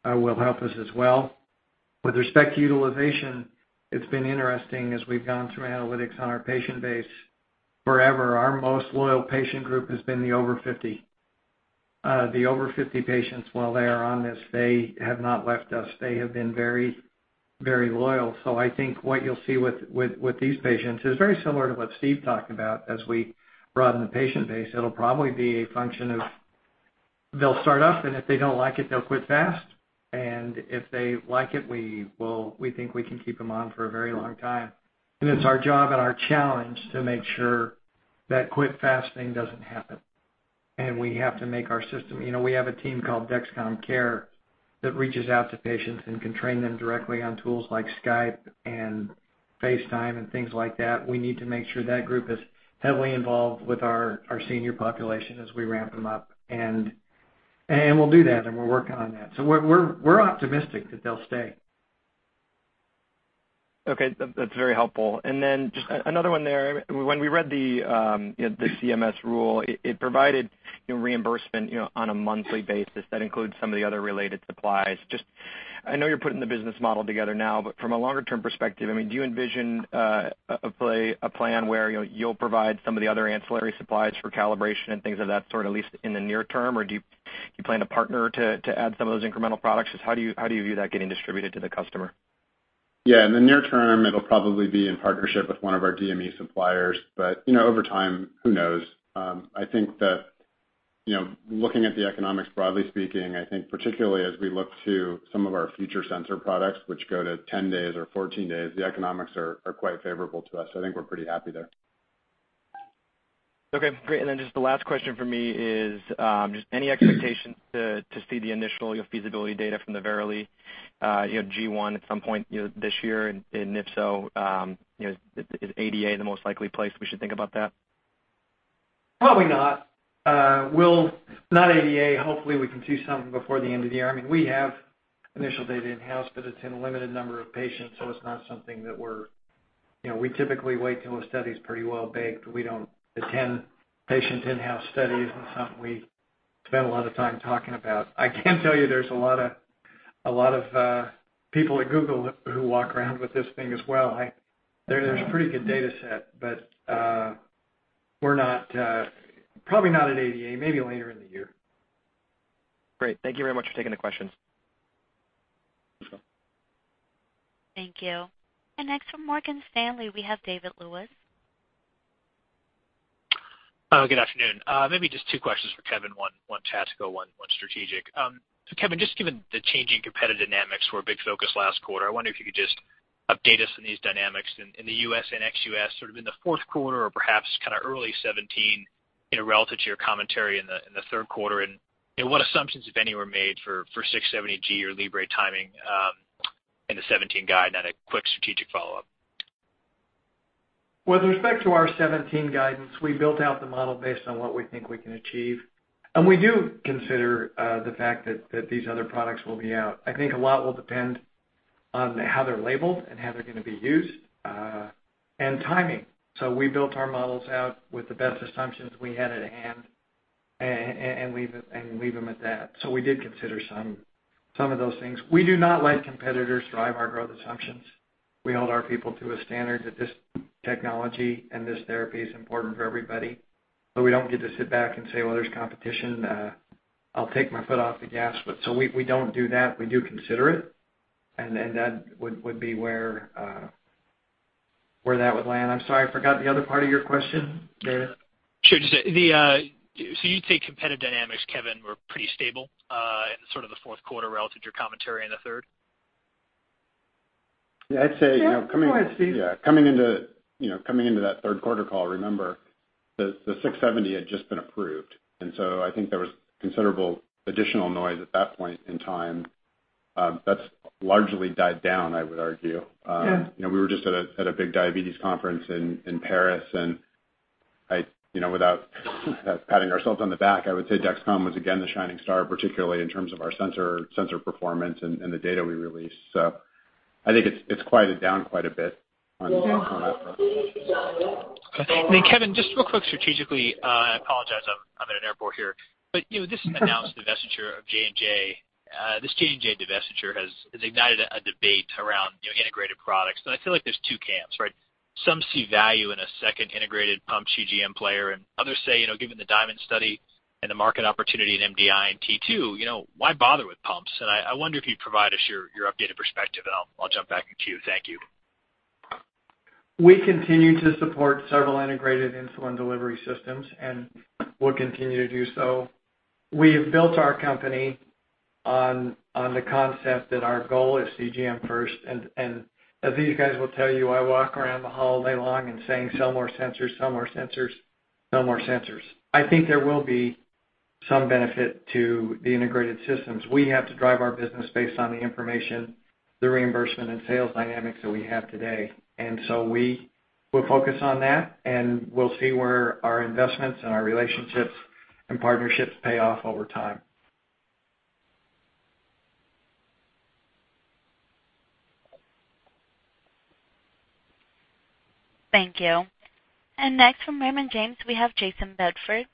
will help us as well. With respect to utilization, it's been interesting as we've gone through analytics on our patient base. Forever, our most loyal patient group has been the over 50. The over 50 patients, while they are on this, they have not left us. They have been very, very loyal. I think what you'll see with these patients is very similar to what Steve talked about as we broaden the patient base. It'll probably be a function of they'll start up, and if they don't like it, they'll quit fast. If they like it, we think we can keep them on for a very long time. It's our job and our challenge to make sure that quit fast thing doesn't happen. We have to make our system. You know, we have a team called Dexcom CARE that reaches out to patients and can train them directly on tools like Skype and FaceTime and things like that. We need to make sure that group is heavily involved with our senior population as we ramp them up, and we'll do that, and we're working on that. We're optimistic that they'll stay. Okay. That's very helpful. Then just another one there. When we read the CMS rule, it provided reimbursement on a monthly basis that includes some of the other related supplies. I know you're putting the business model together now, but from a longer term perspective, I mean, do you envision a plan where you'll provide some of the other ancillary supplies for calibration and things of that sort, at least in the near term? Or do you plan to partner to add some of those incremental products? Just how do you view that getting distributed to the customer? Yeah. In the near term, it'll probably be in partnership with one of our DME suppliers. You know, over time, who knows? I think that, you know, looking at the economics broadly speaking, I think particularly as we look to some of our future sensor products, which go to 10 days or 14 days, the economics are quite favorable to us. I think we're pretty happy there. Okay, great. Then just the last question for me is, just any expectations to see the initial feasibility data from the Verily, you know, G1 at some point, you know, this year? If so, you know, is ADA the most likely place we should think about that? Probably not. Not ADA. Hopefully, we can see something before the end of the year. I mean, we have initial data in-house, but it's in a limited number of patients, so it's not something that we're. You know, we typically wait till a study is pretty well baked. The 10-patient in-house study isn't something we spend a lot of time talking about. I can tell you there's a lot of people at Google who walk around with this thing as well. There's a pretty good data set, but we're not probably not at ADA, maybe later in the year. Great. Thank you very much for taking the questions. Sure. Thank you. Next from Morgan Stanley, we have David Lewis. Good afternoon. Maybe just two questions for Kevin, one tactical, one strategic. So Kevin, just given the changing competitive dynamics were a big focus last quarter, I wonder if you could just update us on these dynamics in the U.S. and ex-U.S., sort of in the Q4 or perhaps kind of early 2017, you know, relative to your commentary in the Q3. You know, what assumptions, if any, were made for 670G or Libre timing in the 2017 guide? Then a quick strategic follow-up. With respect to our 2017 guidance, we built out the model based on what we think we can achieve. We do consider the fact that these other products will be out. I think a lot will depend on how they're labeled and how they're gonna be used and timing. We built our models out with the best assumptions we had at hand and leave them at that. We did consider some of those things. We do not let competitors drive our growth assumptions. We hold our people to a standard that this technology and this therapy is important for everybody. We don't get to sit back and say, "Well, there's competition. I'll take my foot off the gas." We don't do that. We do consider it, that would be where that would land. I'm sorry, I forgot the other part of your question, David. Sure. You'd say competitive dynamics, Kevin, were pretty stable in sort of the Q4 relative to your commentary in the third? Yeah, I'd say, you know. Yeah. Go ahead, Steve. Coming into, you know, that Q3 call, remember the 670 had just been approved, and so I think there was considerable additional noise at that point in time. That's largely died down, I would argue. Yeah. You know, we were just at a big diabetes conference in Paris, and I, you know, without patting ourselves on the back, I would say Dexcom was again the shining star, particularly in terms of our sensor performance and the data we released. I think it's quieted down quite a bit on that front. Kevin, just real quick strategically, I apologize, I'm in an airport here. You know, this announced divestiture of J&J, this J&J divestiture has ignited a debate around, you know, integrated products. I feel like there's two camps, right? Some see value in a second integrated pump CGM player, and others say, you know, given the DIAMOND study and the market opportunity in MDI and T2, you know, why bother with pumps? I wonder if you'd provide us your updated perspective, and I'll jump back to you. Thank you. We continue to support several integrated insulin delivery systems, and we'll continue to do so. We have built our company on the concept that our goal is CGM first. As these guys will tell you, I walk around the hall all day long and saying, "Sell more sensors, sell more sensors, sell more sensors." I think there will be some benefit to the integrated systems. We have to drive our business based on the information, the reimbursement and sales dynamics that we have today. We will focus on that, and we'll see where our investments and our relationships and partnerships pay off over time. Thank you. Next from Raymond James, we have Jayson Bedford.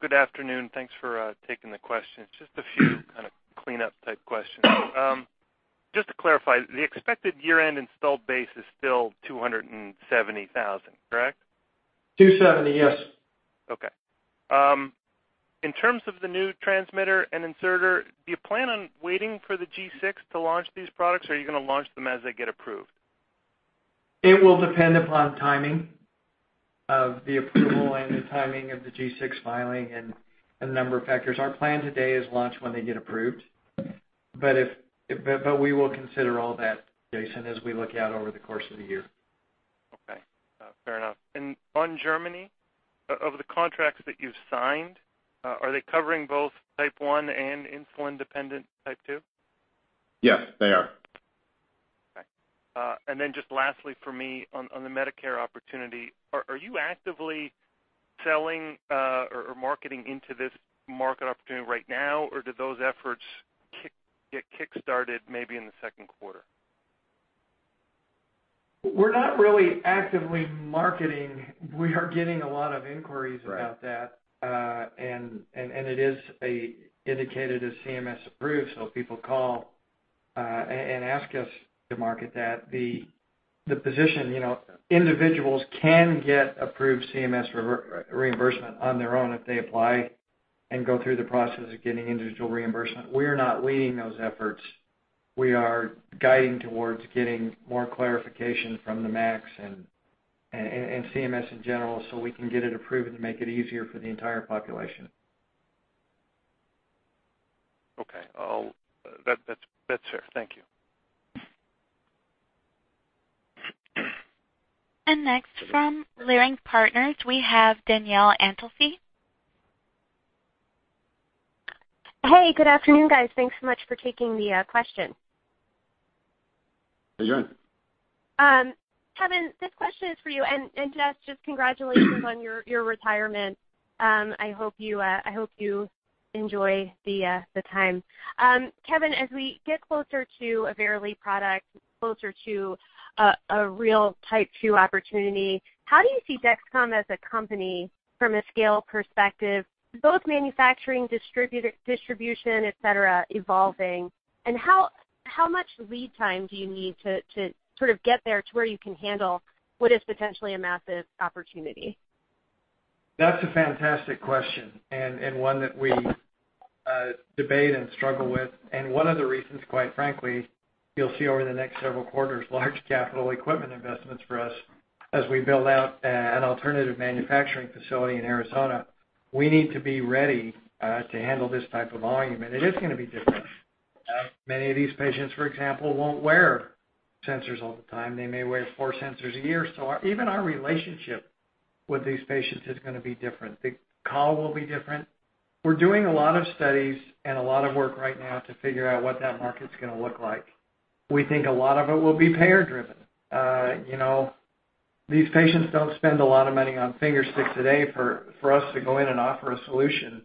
Good afternoon. Thanks for taking the questions. Just a few kind of cleanup type questions. Just to clarify, the expected year-end installed base is still 270,000, correct? 270, yes. Okay. In terms of the new transmitter and inserter, do you plan on waiting for the G6 to launch these products, or are you gonna launch them as they get approved? It will depend upon timing of the approval and the timing of the G6 filing and a number of factors. Our plan today is launch when they get approved. We will consider all that, Jayson, as we look out over the course of the year. Okay. Fair enough. On Germany, of the contracts that you've signed, are they covering both Type 1 and insulin-dependent Type 2? Yes, they are. All right. Just lastly for me on the Medicare opportunity, are you actively selling or marketing into this market opportunity right now, or do those efforts kickstarted maybe in the Q2? We're not really actively marketing. We are getting a lot of inquiries about that. Right. It is indicated as CMS approved, so people call and ask us to market that. The position, you know, individuals can get approved CMS reimbursement on their own if they apply and go through the process of getting individual reimbursement. We are not leading those efforts. We are guiding towards getting more clarification from the MACs and CMS in general, so we can get it approved and make it easier for the entire population. Okay. That's fair. Thank you. Next, from Leerink Partners, we have Danielle Antalffy. Hey, good afternoon, guys. Thanks so much for taking the question. How you doing? Kevin, this question is for you, and Jess, just congratulations on your retirement. I hope you enjoy the time. Kevin, as we get closer to a Verily product, closer to a real type two opportunity, how do you see Dexcom as a company from a scale perspective, both manufacturing, distribution, et cetera, evolving? How much lead time do you need to sort of get there to where you can handle what is potentially a massive opportunity? That's a fantastic question and one that we debate and struggle with. One of the reasons, quite frankly, you'll see over the next several quarters large capital equipment investments for us as we build out an alternative manufacturing facility in Arizona. We need to be ready to handle this type of volume, and it is gonna be different. Many of these patients, for example, won't wear sensors all the time. They may wear four sensors a year. Even our relationship with these patients is gonna be different. The call will be different. We're doing a lot of studies and a lot of work right now to figure out what that market's gonna look like. We think a lot of it will be payer-driven. You know, these patients don't spend a lot of money on finger sticks a day for us to go in and offer a solution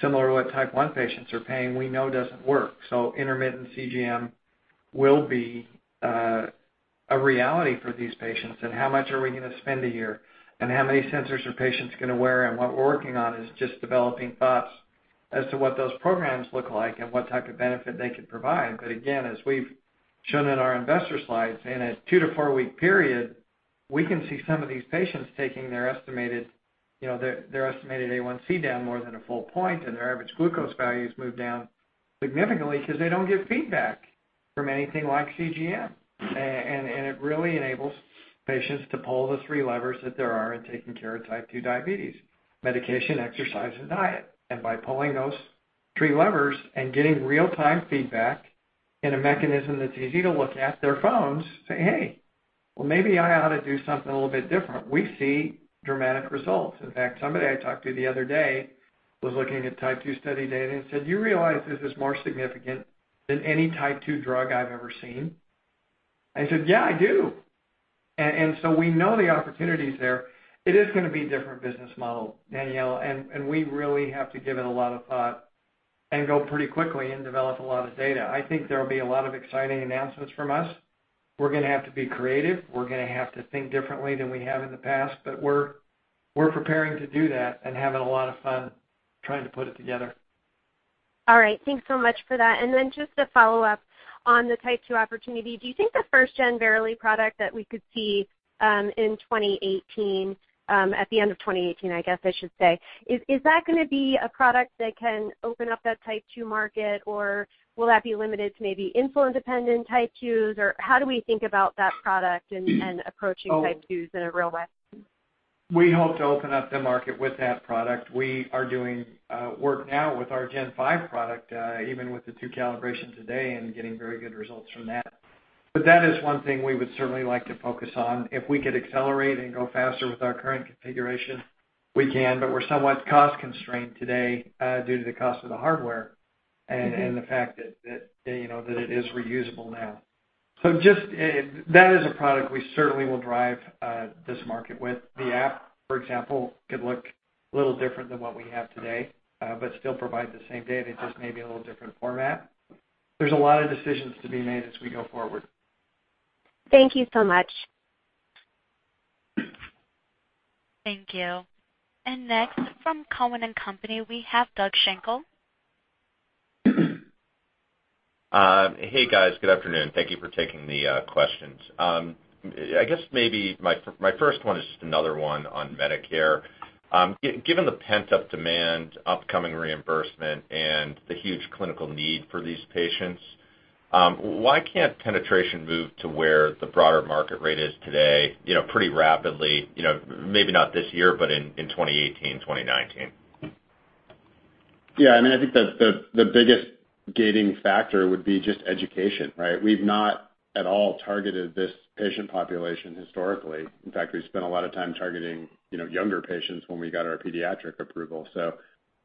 similar to what Type 1 patients are paying, we know doesn't work. Intermittent CGM will be a reality for these patients and how much are we gonna spend a year and how many sensors are patients gonna wear. What we're working on is just developing thoughts as to what those programs look like and what type of benefit they could provide. Again, as we've shown in our investor slides, in a 2-4-week period, we can see some of these patients taking their estimated, you know, their estimated A1C down more than a full point, and their average glucose values move down significantly because they don't get feedback from anything like CGM. It really enables patients to pull the three levers that there are in taking care of type two diabetes, medication, exercise, and diet. By pulling those three levers and getting real-time feedback in a mechanism that's easy to look at, their phones, say, "Hey, well, maybe I ought to do something a little bit different," we see dramatic results. In fact, somebody I talked to the other day was looking at type two study data and said, "Do you realize this is more significant than any type two drug I've ever seen?" I said, "Yeah, I do." We know the opportunity is there. It is gonna be a different business model, Danielle, and we really have to give it a lot of thought and go pretty quickly and develop a lot of data. I think there will be a lot of exciting announcements from us. We're gonna have to be creative. We're gonna have to think differently than we have in the past, but we're preparing to do that and having a lot of fun trying to put it together. All right. Thanks so much for that. Just a follow-up on the Type 2 opportunity. Do you think the first gen Verily product that we could see in 2018, at the end of 2018, I guess I should say, is that gonna be a product that can open up that Type 2 market, or will that be limited to maybe insulin-dependent Type 2s? Or how do we think about that product and approaching Type 2s in a real way? We hope to open up the market with that product. We are doing work now with our G5 product, even with the two calibrations today, and getting very good results from that. That is one thing we would certainly like to focus on. If we could accelerate and go faster with our current configuration, we can, but we're somewhat cost-constrained today due to the cost of the hardware and the fact that, you know, that it is reusable now. Just that is a product we certainly will drive this market with. The app, for example, could look a little different than what we have today, but still provide the same data, just maybe a little different format. There's a lot of decisions to be made as we go forward. Thank you so much. Thank you. Next from Cowen and Company, we have Doug Schenkel. Hey, guys. Good afternoon. Thank you for taking the questions. I guess maybe my first one is just another one on Medicare. Given the pent-up demand, upcoming reimbursement, and the huge clinical need for these patients, why can't penetration move to where the broader market rate is today, you know, pretty rapidly, you know, maybe not this year, but in 2018, 2019? Yeah. I mean, I think the biggest gating factor would be just education, right? We've not at all targeted this patient population historically. In fact, we spent a lot of time targeting, you know, younger patients when we got our pediatric approval. I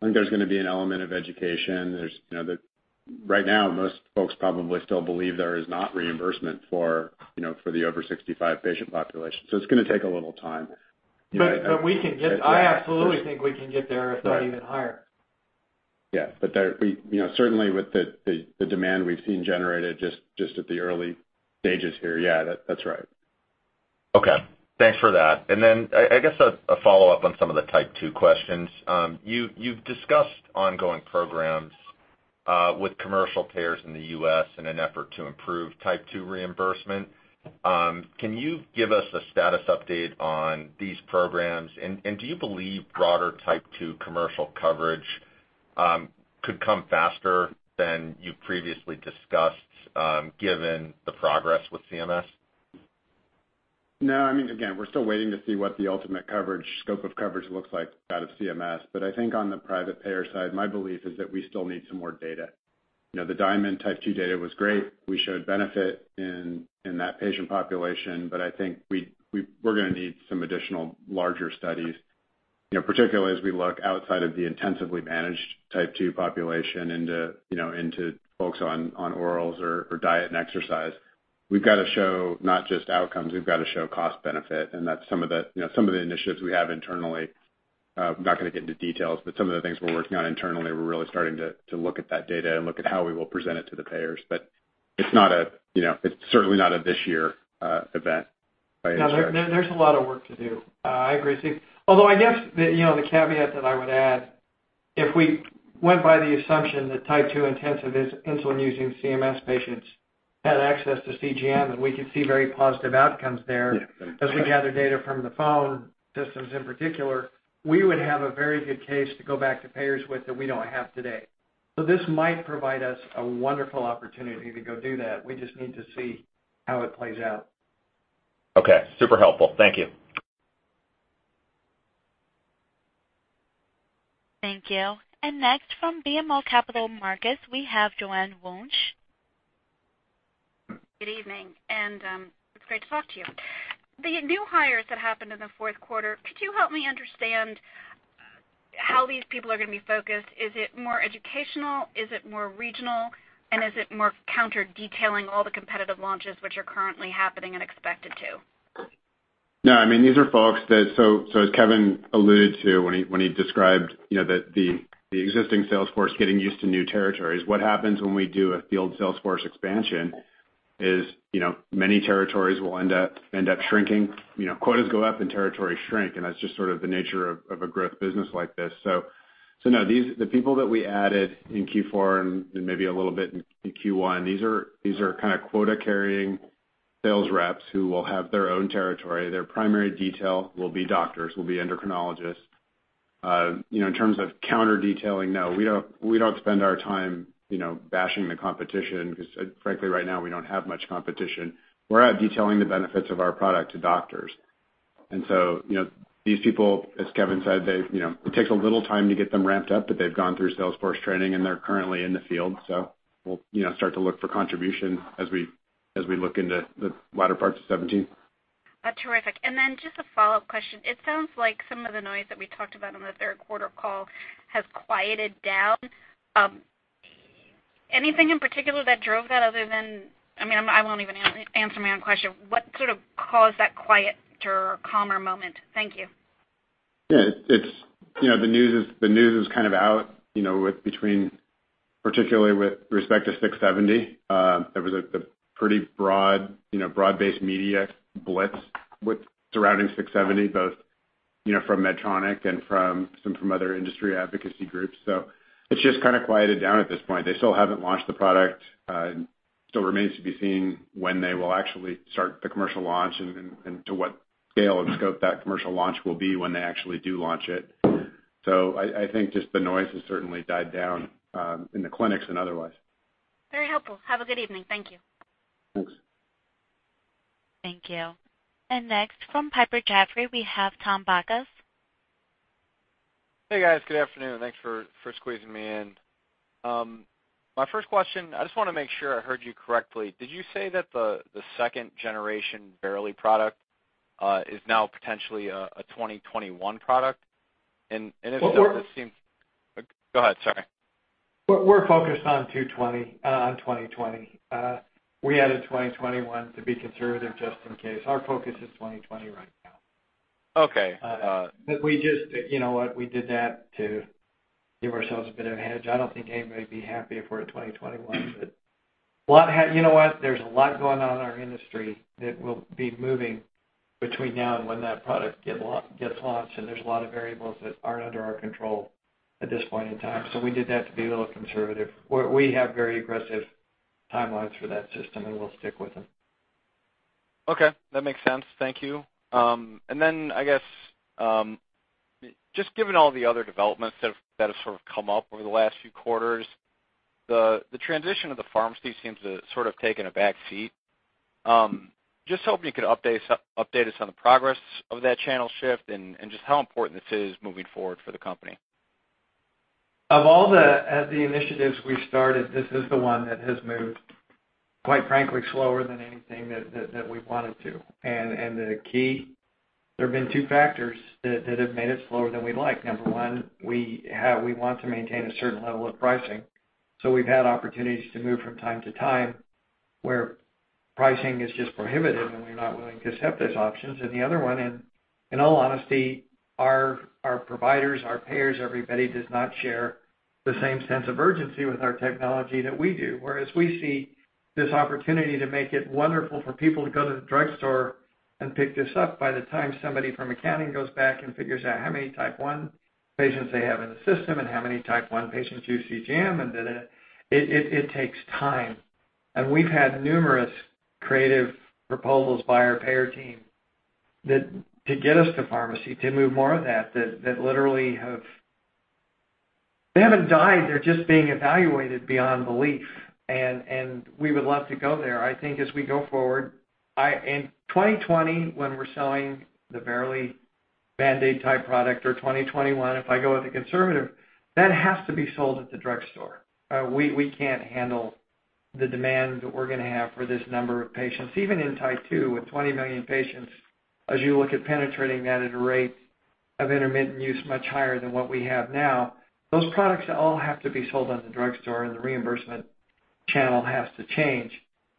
think there's gonna be an element of education. There's, you know, right now, most folks probably still believe there is not reimbursement for, you know, for the over sixty-five patient population. It's gonna take a little time. I absolutely think we can get there, if not even higher. Yeah. There we, you know, certainly with the demand we've seen generated just at the early stages here, yeah, that's right. Okay. Thanks for that. I guess a follow-up on some of the Type 2 questions. You've discussed ongoing programs with commercial payers in the U.S. in an effort to improve Type 2 reimbursement. Can you give us a status update on these programs? Do you believe broader Type 2 commercial coverage could come faster than you previously discussed, given the progress with CMS? No. I mean, again, we're still waiting to see what the ultimate coverage, scope of coverage looks like out of CMS. I think on the private payer side, my belief is that we still need some more data. You know, the DIAMOND type two data was great. We showed benefit in that patient population, but I think we're gonna need some additional larger studies, you know, particularly as we look outside of the intensively managed type two population into folks on orals or diet and exercise. We've got to show not just outcomes, we've got to show cost benefit, and that's some of the initiatives we have internally. I'm not gonna get into details, but some of the things we're working on internally, we're really starting to look at that data and look at how we will present it to the payers. It's not a, you know, it's certainly not a this year event by any stretch. No. There, there's a lot of work to do. I agree with Steve. Although, I guess the, you know, the caveat that I would add, if we went by the assumption that Type 2 intensive insulin-using CMS patients had access to CGM, then we could see very positive outcomes there. Yeah. As we gather data from the phone systems in particular, we would have a very good case to go back to payers with that we don't have today. This might provide us a wonderful opportunity to go do that. We just need to see how it plays out. Okay, super helpful. Thank you. Thank you. Next from BMO Capital Markets, we have Joanne Wuensch. Good evening, and it's great to talk to you. The new hires that happened in the Q4, could you help me understand how these people are gonna be focused? Is it more educational? Is it more regional? Is it more counter-detailing all the competitive launches which are currently happening and expected to? No. I mean, these are folks that. So as Kevin alluded to when he described, you know, the existing sales force getting used to new territories, what happens when we do a field sales force expansion is, you know, many territories will end up shrinking. You know, quotas go up and territories shrink, and that's just sort of the nature of a growth business like this. So no, these. The people that we added in Q4 and maybe a little bit in Q1, these are kinda quota-carrying sales reps who will have their own territory. Their primary detail will be doctors, will be endocrinologists. You know, in terms of counter-detailing, no, we don't spend our time, you know, bashing the competition 'cause frankly, right now, we don't have much competition. We're out detailing the benefits of our product to doctors. You know, these people, as Kevin said, they, you know, it takes a little time to get them ramped up, but they've gone through sales force training and they're currently in the field. We'll, you know, start to look for contribution as we look into the latter part of 2017. Terrific. Just a follow-up question. It sounds like some of the noise that we talked about on the Q3 call has quieted down. Anything in particular that drove that other than I mean, I won't even answer my own question. What sort of caused that quieter, calmer moment? Thank you. Yeah. It's you know the news is kind of out you know with between particularly with respect to six seventy. There was a pretty broad you know broad-based media blitz surrounding six seventy both you know from Medtronic and from some other industry advocacy groups. It's just kinda quieted down at this point. They still haven't launched the product. Still remains to be seen when they will actually start the commercial launch and to what scale and scope that commercial launch will be when they actually do launch it. I think just the noise has certainly died down in the clinics and otherwise. Very helpful. Have a good evening. Thank you. Thanks. Thank you. Next from Piper Jaffray, we have Tom Bakas. Hey guys, good afternoon. Thanks for squeezing me in. My first question, I just wanna make sure I heard you correctly. Did you say that the second generation Verily product is now potentially a 2021 product? If so, it seems. We're. Go ahead, sorry. We're focused on 2020. We added 2021 to be conservative just in case. Our focus is 2020 right now. Okay. We just, you know what? We did that to give ourselves a bit of a hedge. I don't think anybody would be happy if we're at 2021. You know what? There's a lot going on in our industry that we'll be moving between now and when that product gets launched, and there's a lot of variables that aren't under our control at this point in time. we did have to be a little conservative. We have very aggressive timelines for that system, and we'll stick with them. Okay, that makes sense. Thank you. I guess, just given all the other developments that have sort of come up over the last few quarters, the transition of the pharmacy seems to sort of taken a back seat. Just hoping you could update us on the progress of that channel shift and just how important this is moving forward for the company. Of all the initiatives we started, this is the one that has moved, quite frankly, slower than anything that we want it to. The key, there have been two factors that have made it slower than we'd like. Number one, we want to maintain a certain level of pricing. We've had opportunities to move from time to time where pricing is just prohibited, and we're not willing to accept those options. The other one, in all honesty, our providers, our payers, everybody does not share the same sense of urgency with our technology that we do. Whereas we see this opportunity to make it wonderful for people to go to the drugstore and pick this up. By the time somebody from accounting goes back and figures out how many Type 1 patients they have in the system and how many Type 1 patients use CGM and data, it takes time. We've had numerous creative proposals by our payer team that to get us to pharmacy, to move more of that that literally have. They haven't died, they're just being evaluated beyond belief. We would love to go there. I think as we go forward, in 2020, when we're selling the Verily Band-Aid type product or 2021, if I go with the conservative, that has to be sold at the drugstore. We can't handle the demand that we're gonna have for this number of patients. Even in Type 2, with 20 million patients, as you look at penetrating that at a rate of intermittent use much higher than what we have now, those products all have to be sold at the drugstore, and the reimbursement channel has to change.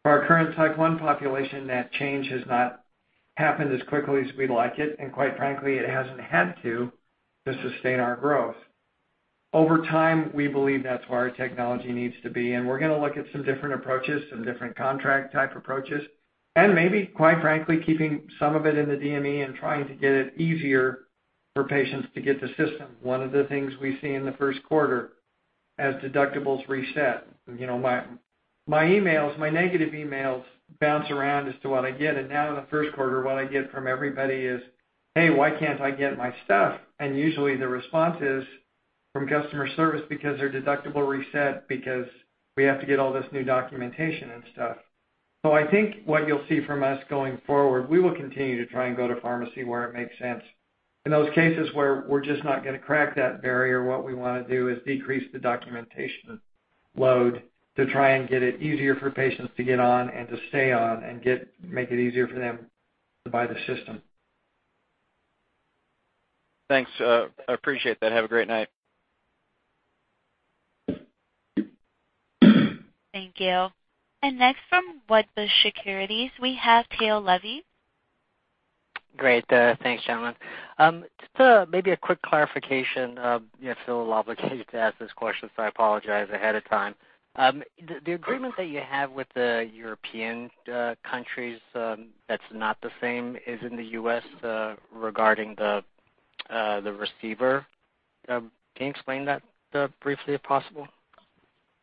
For our current Type 1 population, that change has not happened as quickly as we like it, and quite frankly, it hasn't had to sustain our growth. Over time, we believe that's where our technology needs to be, and we're gonna look at some different approaches, some different contract type approaches, and maybe quite frankly, keeping some of it in the DME and trying to get it easier for patients to get the system. One of the things we see in the Q1 as deductibles reset, you know, my emails, my negative emails bounce around as to what I get. Now in the Q1, what I get from everybody is, "Hey, why can't I get my stuff?" Usually the response is from customer service, because their deductible reset because we have to get all this new documentation and stuff. I think what you'll see from us going forward, we will continue to try and go to pharmacy where it makes sense. In those cases where we're just not gonna crack that barrier, what we wanna do is decrease the documentation load to try and make it easier for patients to get on and to stay on and make it easier for them to buy the system. Thanks. I appreciate that. Have a great night. Thank you. Next from Wedbush Securities, we have Tao Levy. Great. Thanks gentlemen. Just maybe a quick clarification. I feel obligated to ask this question, so I apologize ahead of time. The agreement that you have with the European countries, that's not the same as in the U.S. regarding the receiver. Can you explain that briefly if possible?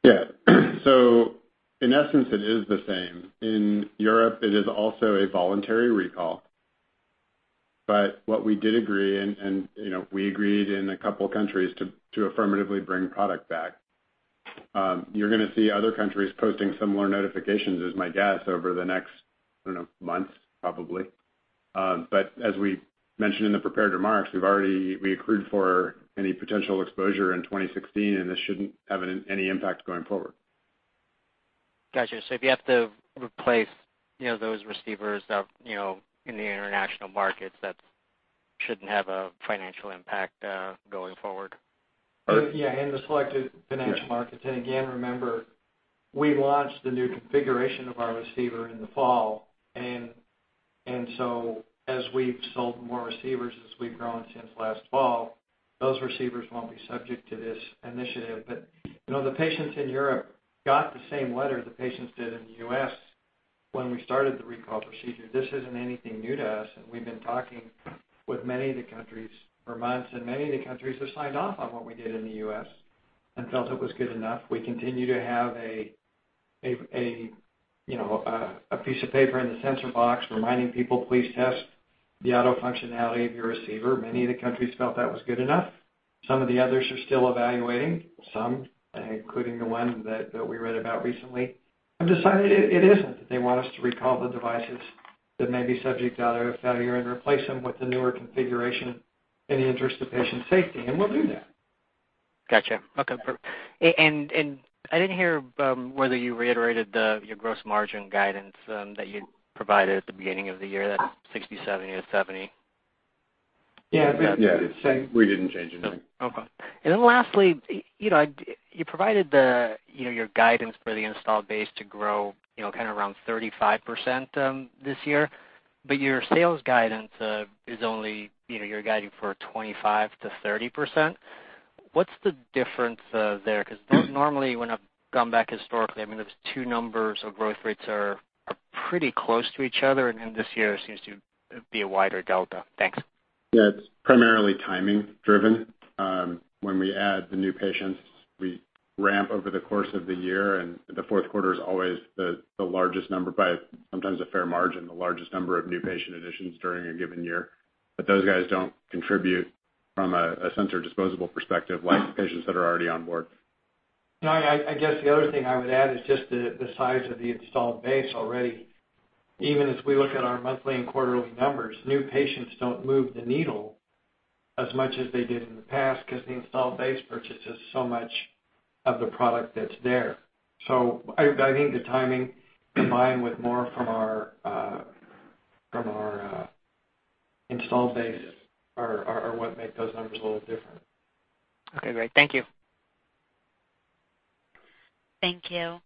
Yeah. In essence, it is the same. In Europe, it is also a voluntary recall. What we did agree, and you know, we agreed in a couple of countries to affirmatively bring product back. You're gonna see other countries posting similar notifications, is my guess, over the next, I don't know, months, probably. As we mentioned in the prepared remarks, we've already accrued for any potential exposure in 2016, and this shouldn't have any impact going forward. Got you. If you have to replace, you know, those receivers, you know, in the international markets, that shouldn't have a financial impact, going forward. Or- Yeah, in the select European markets. Again, remember, we launched the new configuration of our receiver in the fall. So as we've sold more receivers, as we've grown since last fall, those receivers won't be subject to this initiative. You know, the patients in Europe got the same letter the patients did in the U.S. when we started the recall procedure. This isn't anything new to us, and we've been talking with many of the countries for months, and many of the countries have signed off on what we did in the U.S. and felt it was good enough. We continue to have you know, a piece of paper in the sensor box reminding people, please test the auto functionality of your receiver. Many of the countries felt that was good enough. Some of the others are still evaluating. Some, including the one that we read about recently, have decided it isn't. They want us to recall the devices that may be subject to auto failure and replace them with the newer configuration in the interest of patient safety, and we'll do that. Gotcha. Okay, I didn't hear whether you reiterated your gross margin guidance that you provided at the beginning of the year, 67%-70%. Yeah. Yeah. It's the same. We didn't change anything. Okay. Lastly, you know, you provided the, you know, your guidance for the installed base to grow, you know, kind of around 35%, this year, but your sales guidance is only, you know, you're guiding for 25%-30%. What's the difference there? Because those normally when I've gone back historically, I mean, those two numbers of growth rates are pretty close to each other, and then this year it seems to be a wider delta. Thanks. Yeah, it's primarily timing driven. When we add the new patients, we ramp over the course of the year, and the Q4 is always the largest number by sometimes a fair margin, the largest number of new patient additions during a given year. Those guys don't contribute from a sensor disposable perspective like patients that are already on board. No, I guess the other thing I would add is just the size of the installed base already. Even as we look at our monthly and quarterly numbers, new patients don't move the needle as much as they did in the past 'cause the installed base purchases so much of the product that's there. I think the timing combined with more from our installed base are what make those numbers a little different. Okay, great. Thank you. Thank you.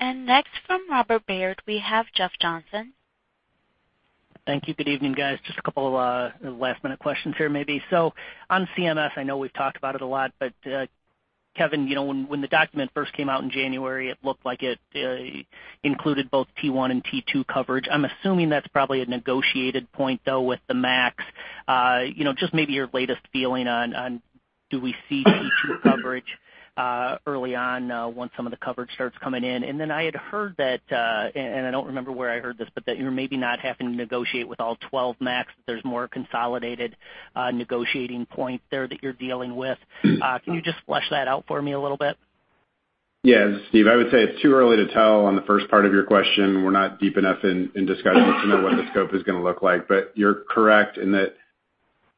Next from Robert W. Baird, we have Jeff Johnson. Thank you. Good evening, guys. Just a couple of last-minute questions here, maybe. On CMS, I know we've talked about it a lot, but Kevin, you know, when the document first came out in January, it looked like it included both T1 and T2 coverage. I'm assuming that's probably a negotiated point, though, with the MACs. You know, just maybe your latest feeling on do we see T2 coverage early on once some of the coverage starts coming in? Then I had heard that, and I don't remember where I heard this, but that you're maybe not having to negotiate with all 12 MACs, that there's more consolidated negotiating point there that you're dealing with. Can you just flesh that out for me a little bit? Yes, Steve. I would say it's too early to tell on the first part of your question. We're not deep enough in discussions to know what the scope is gonna look like. But you're correct in that,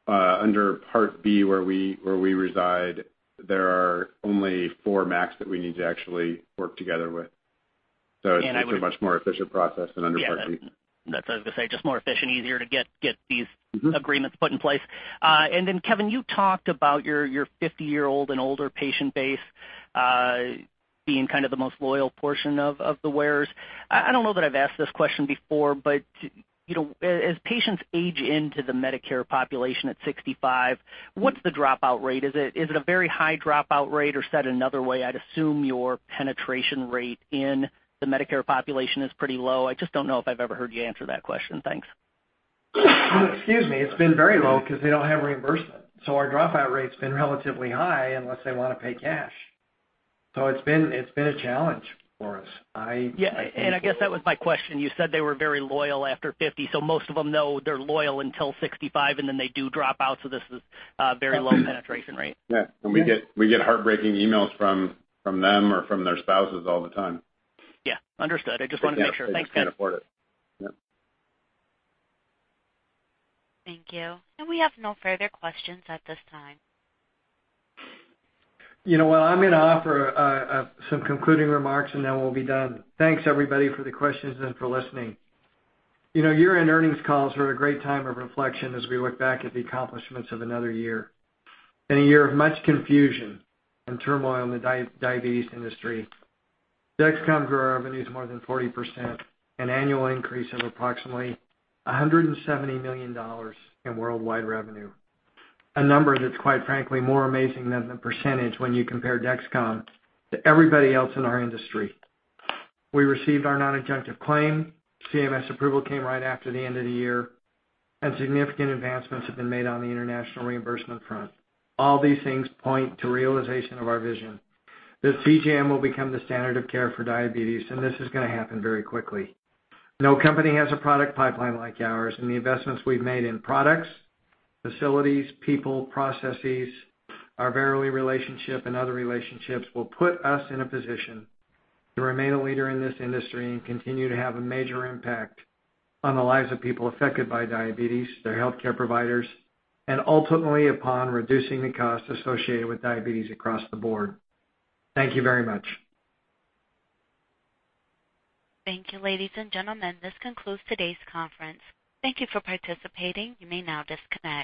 under Part B, where we reside, there are only four MACs that we need to actually work together with. It's a much more efficient process than under Part B. Yeah, that's what I was gonna say. Just more efficient, easier to get these. Mm-hmm. Agreements put in place. Kevin, you talked about your 50-year-old and older patient base, being kind of the most loyal portion of the wearers. I don't know that I've asked this question before, but you know, as patients age into the Medicare population at 65, what's the dropout rate? Is it a very high dropout rate? Or said another way, I'd assume your penetration rate in the Medicare population is pretty low. I just don't know if I've ever heard you answer that question. Thanks. Excuse me. It's been very low 'cause they don't have reimbursement. Our dropout rate's been relatively high unless they wanna pay cash. It's been a challenge for us. Yeah. I guess that was my question. You said they were very loyal after 50, so most of them, though, they're loyal until 65, and then they do drop out, so this is a very low penetration rate. Yeah. We get heartbreaking emails from them or from their spouses all the time. Yeah. Understood. I just wanna make sure. Yeah. Thanks, guys. They just can't afford it. Yeah. Thank you. We have no further questions at this time. You know, well, I'm gonna offer some concluding remarks, and then we'll be done. Thanks, everybody, for the questions and for listening. You know, year-end earnings calls are a great time of reflection as we look back at the accomplishments of another year. In a year of much confusion and turmoil in the diabetes industry, Dexcom grew our revenues more than 40%, an annual increase of approximately $170 million in worldwide revenue, a number that's quite frankly more amazing than the percentage when you compare Dexcom to everybody else in our industry. We received our non-adjunctive claim, CMS approval came right after the end of the year, and significant advancements have been made on the international reimbursement front. All these things point to realization of our vision. The CGM will become the standard of care for diabetes, and this is gonna happen very quickly. No company has a product pipeline like ours, and the investments we've made in products, facilities, people, processes, our Verily relationship and other relationships will put us in a position to remain a leader in this industry and continue to have a major impact on the lives of people affected by diabetes, their healthcare providers, and ultimately upon reducing the costs associated with diabetes across the board. Thank you very much. Thank you, ladies and gentlemen. This concludes today's conference. Thank you for participating. You may now disconnect.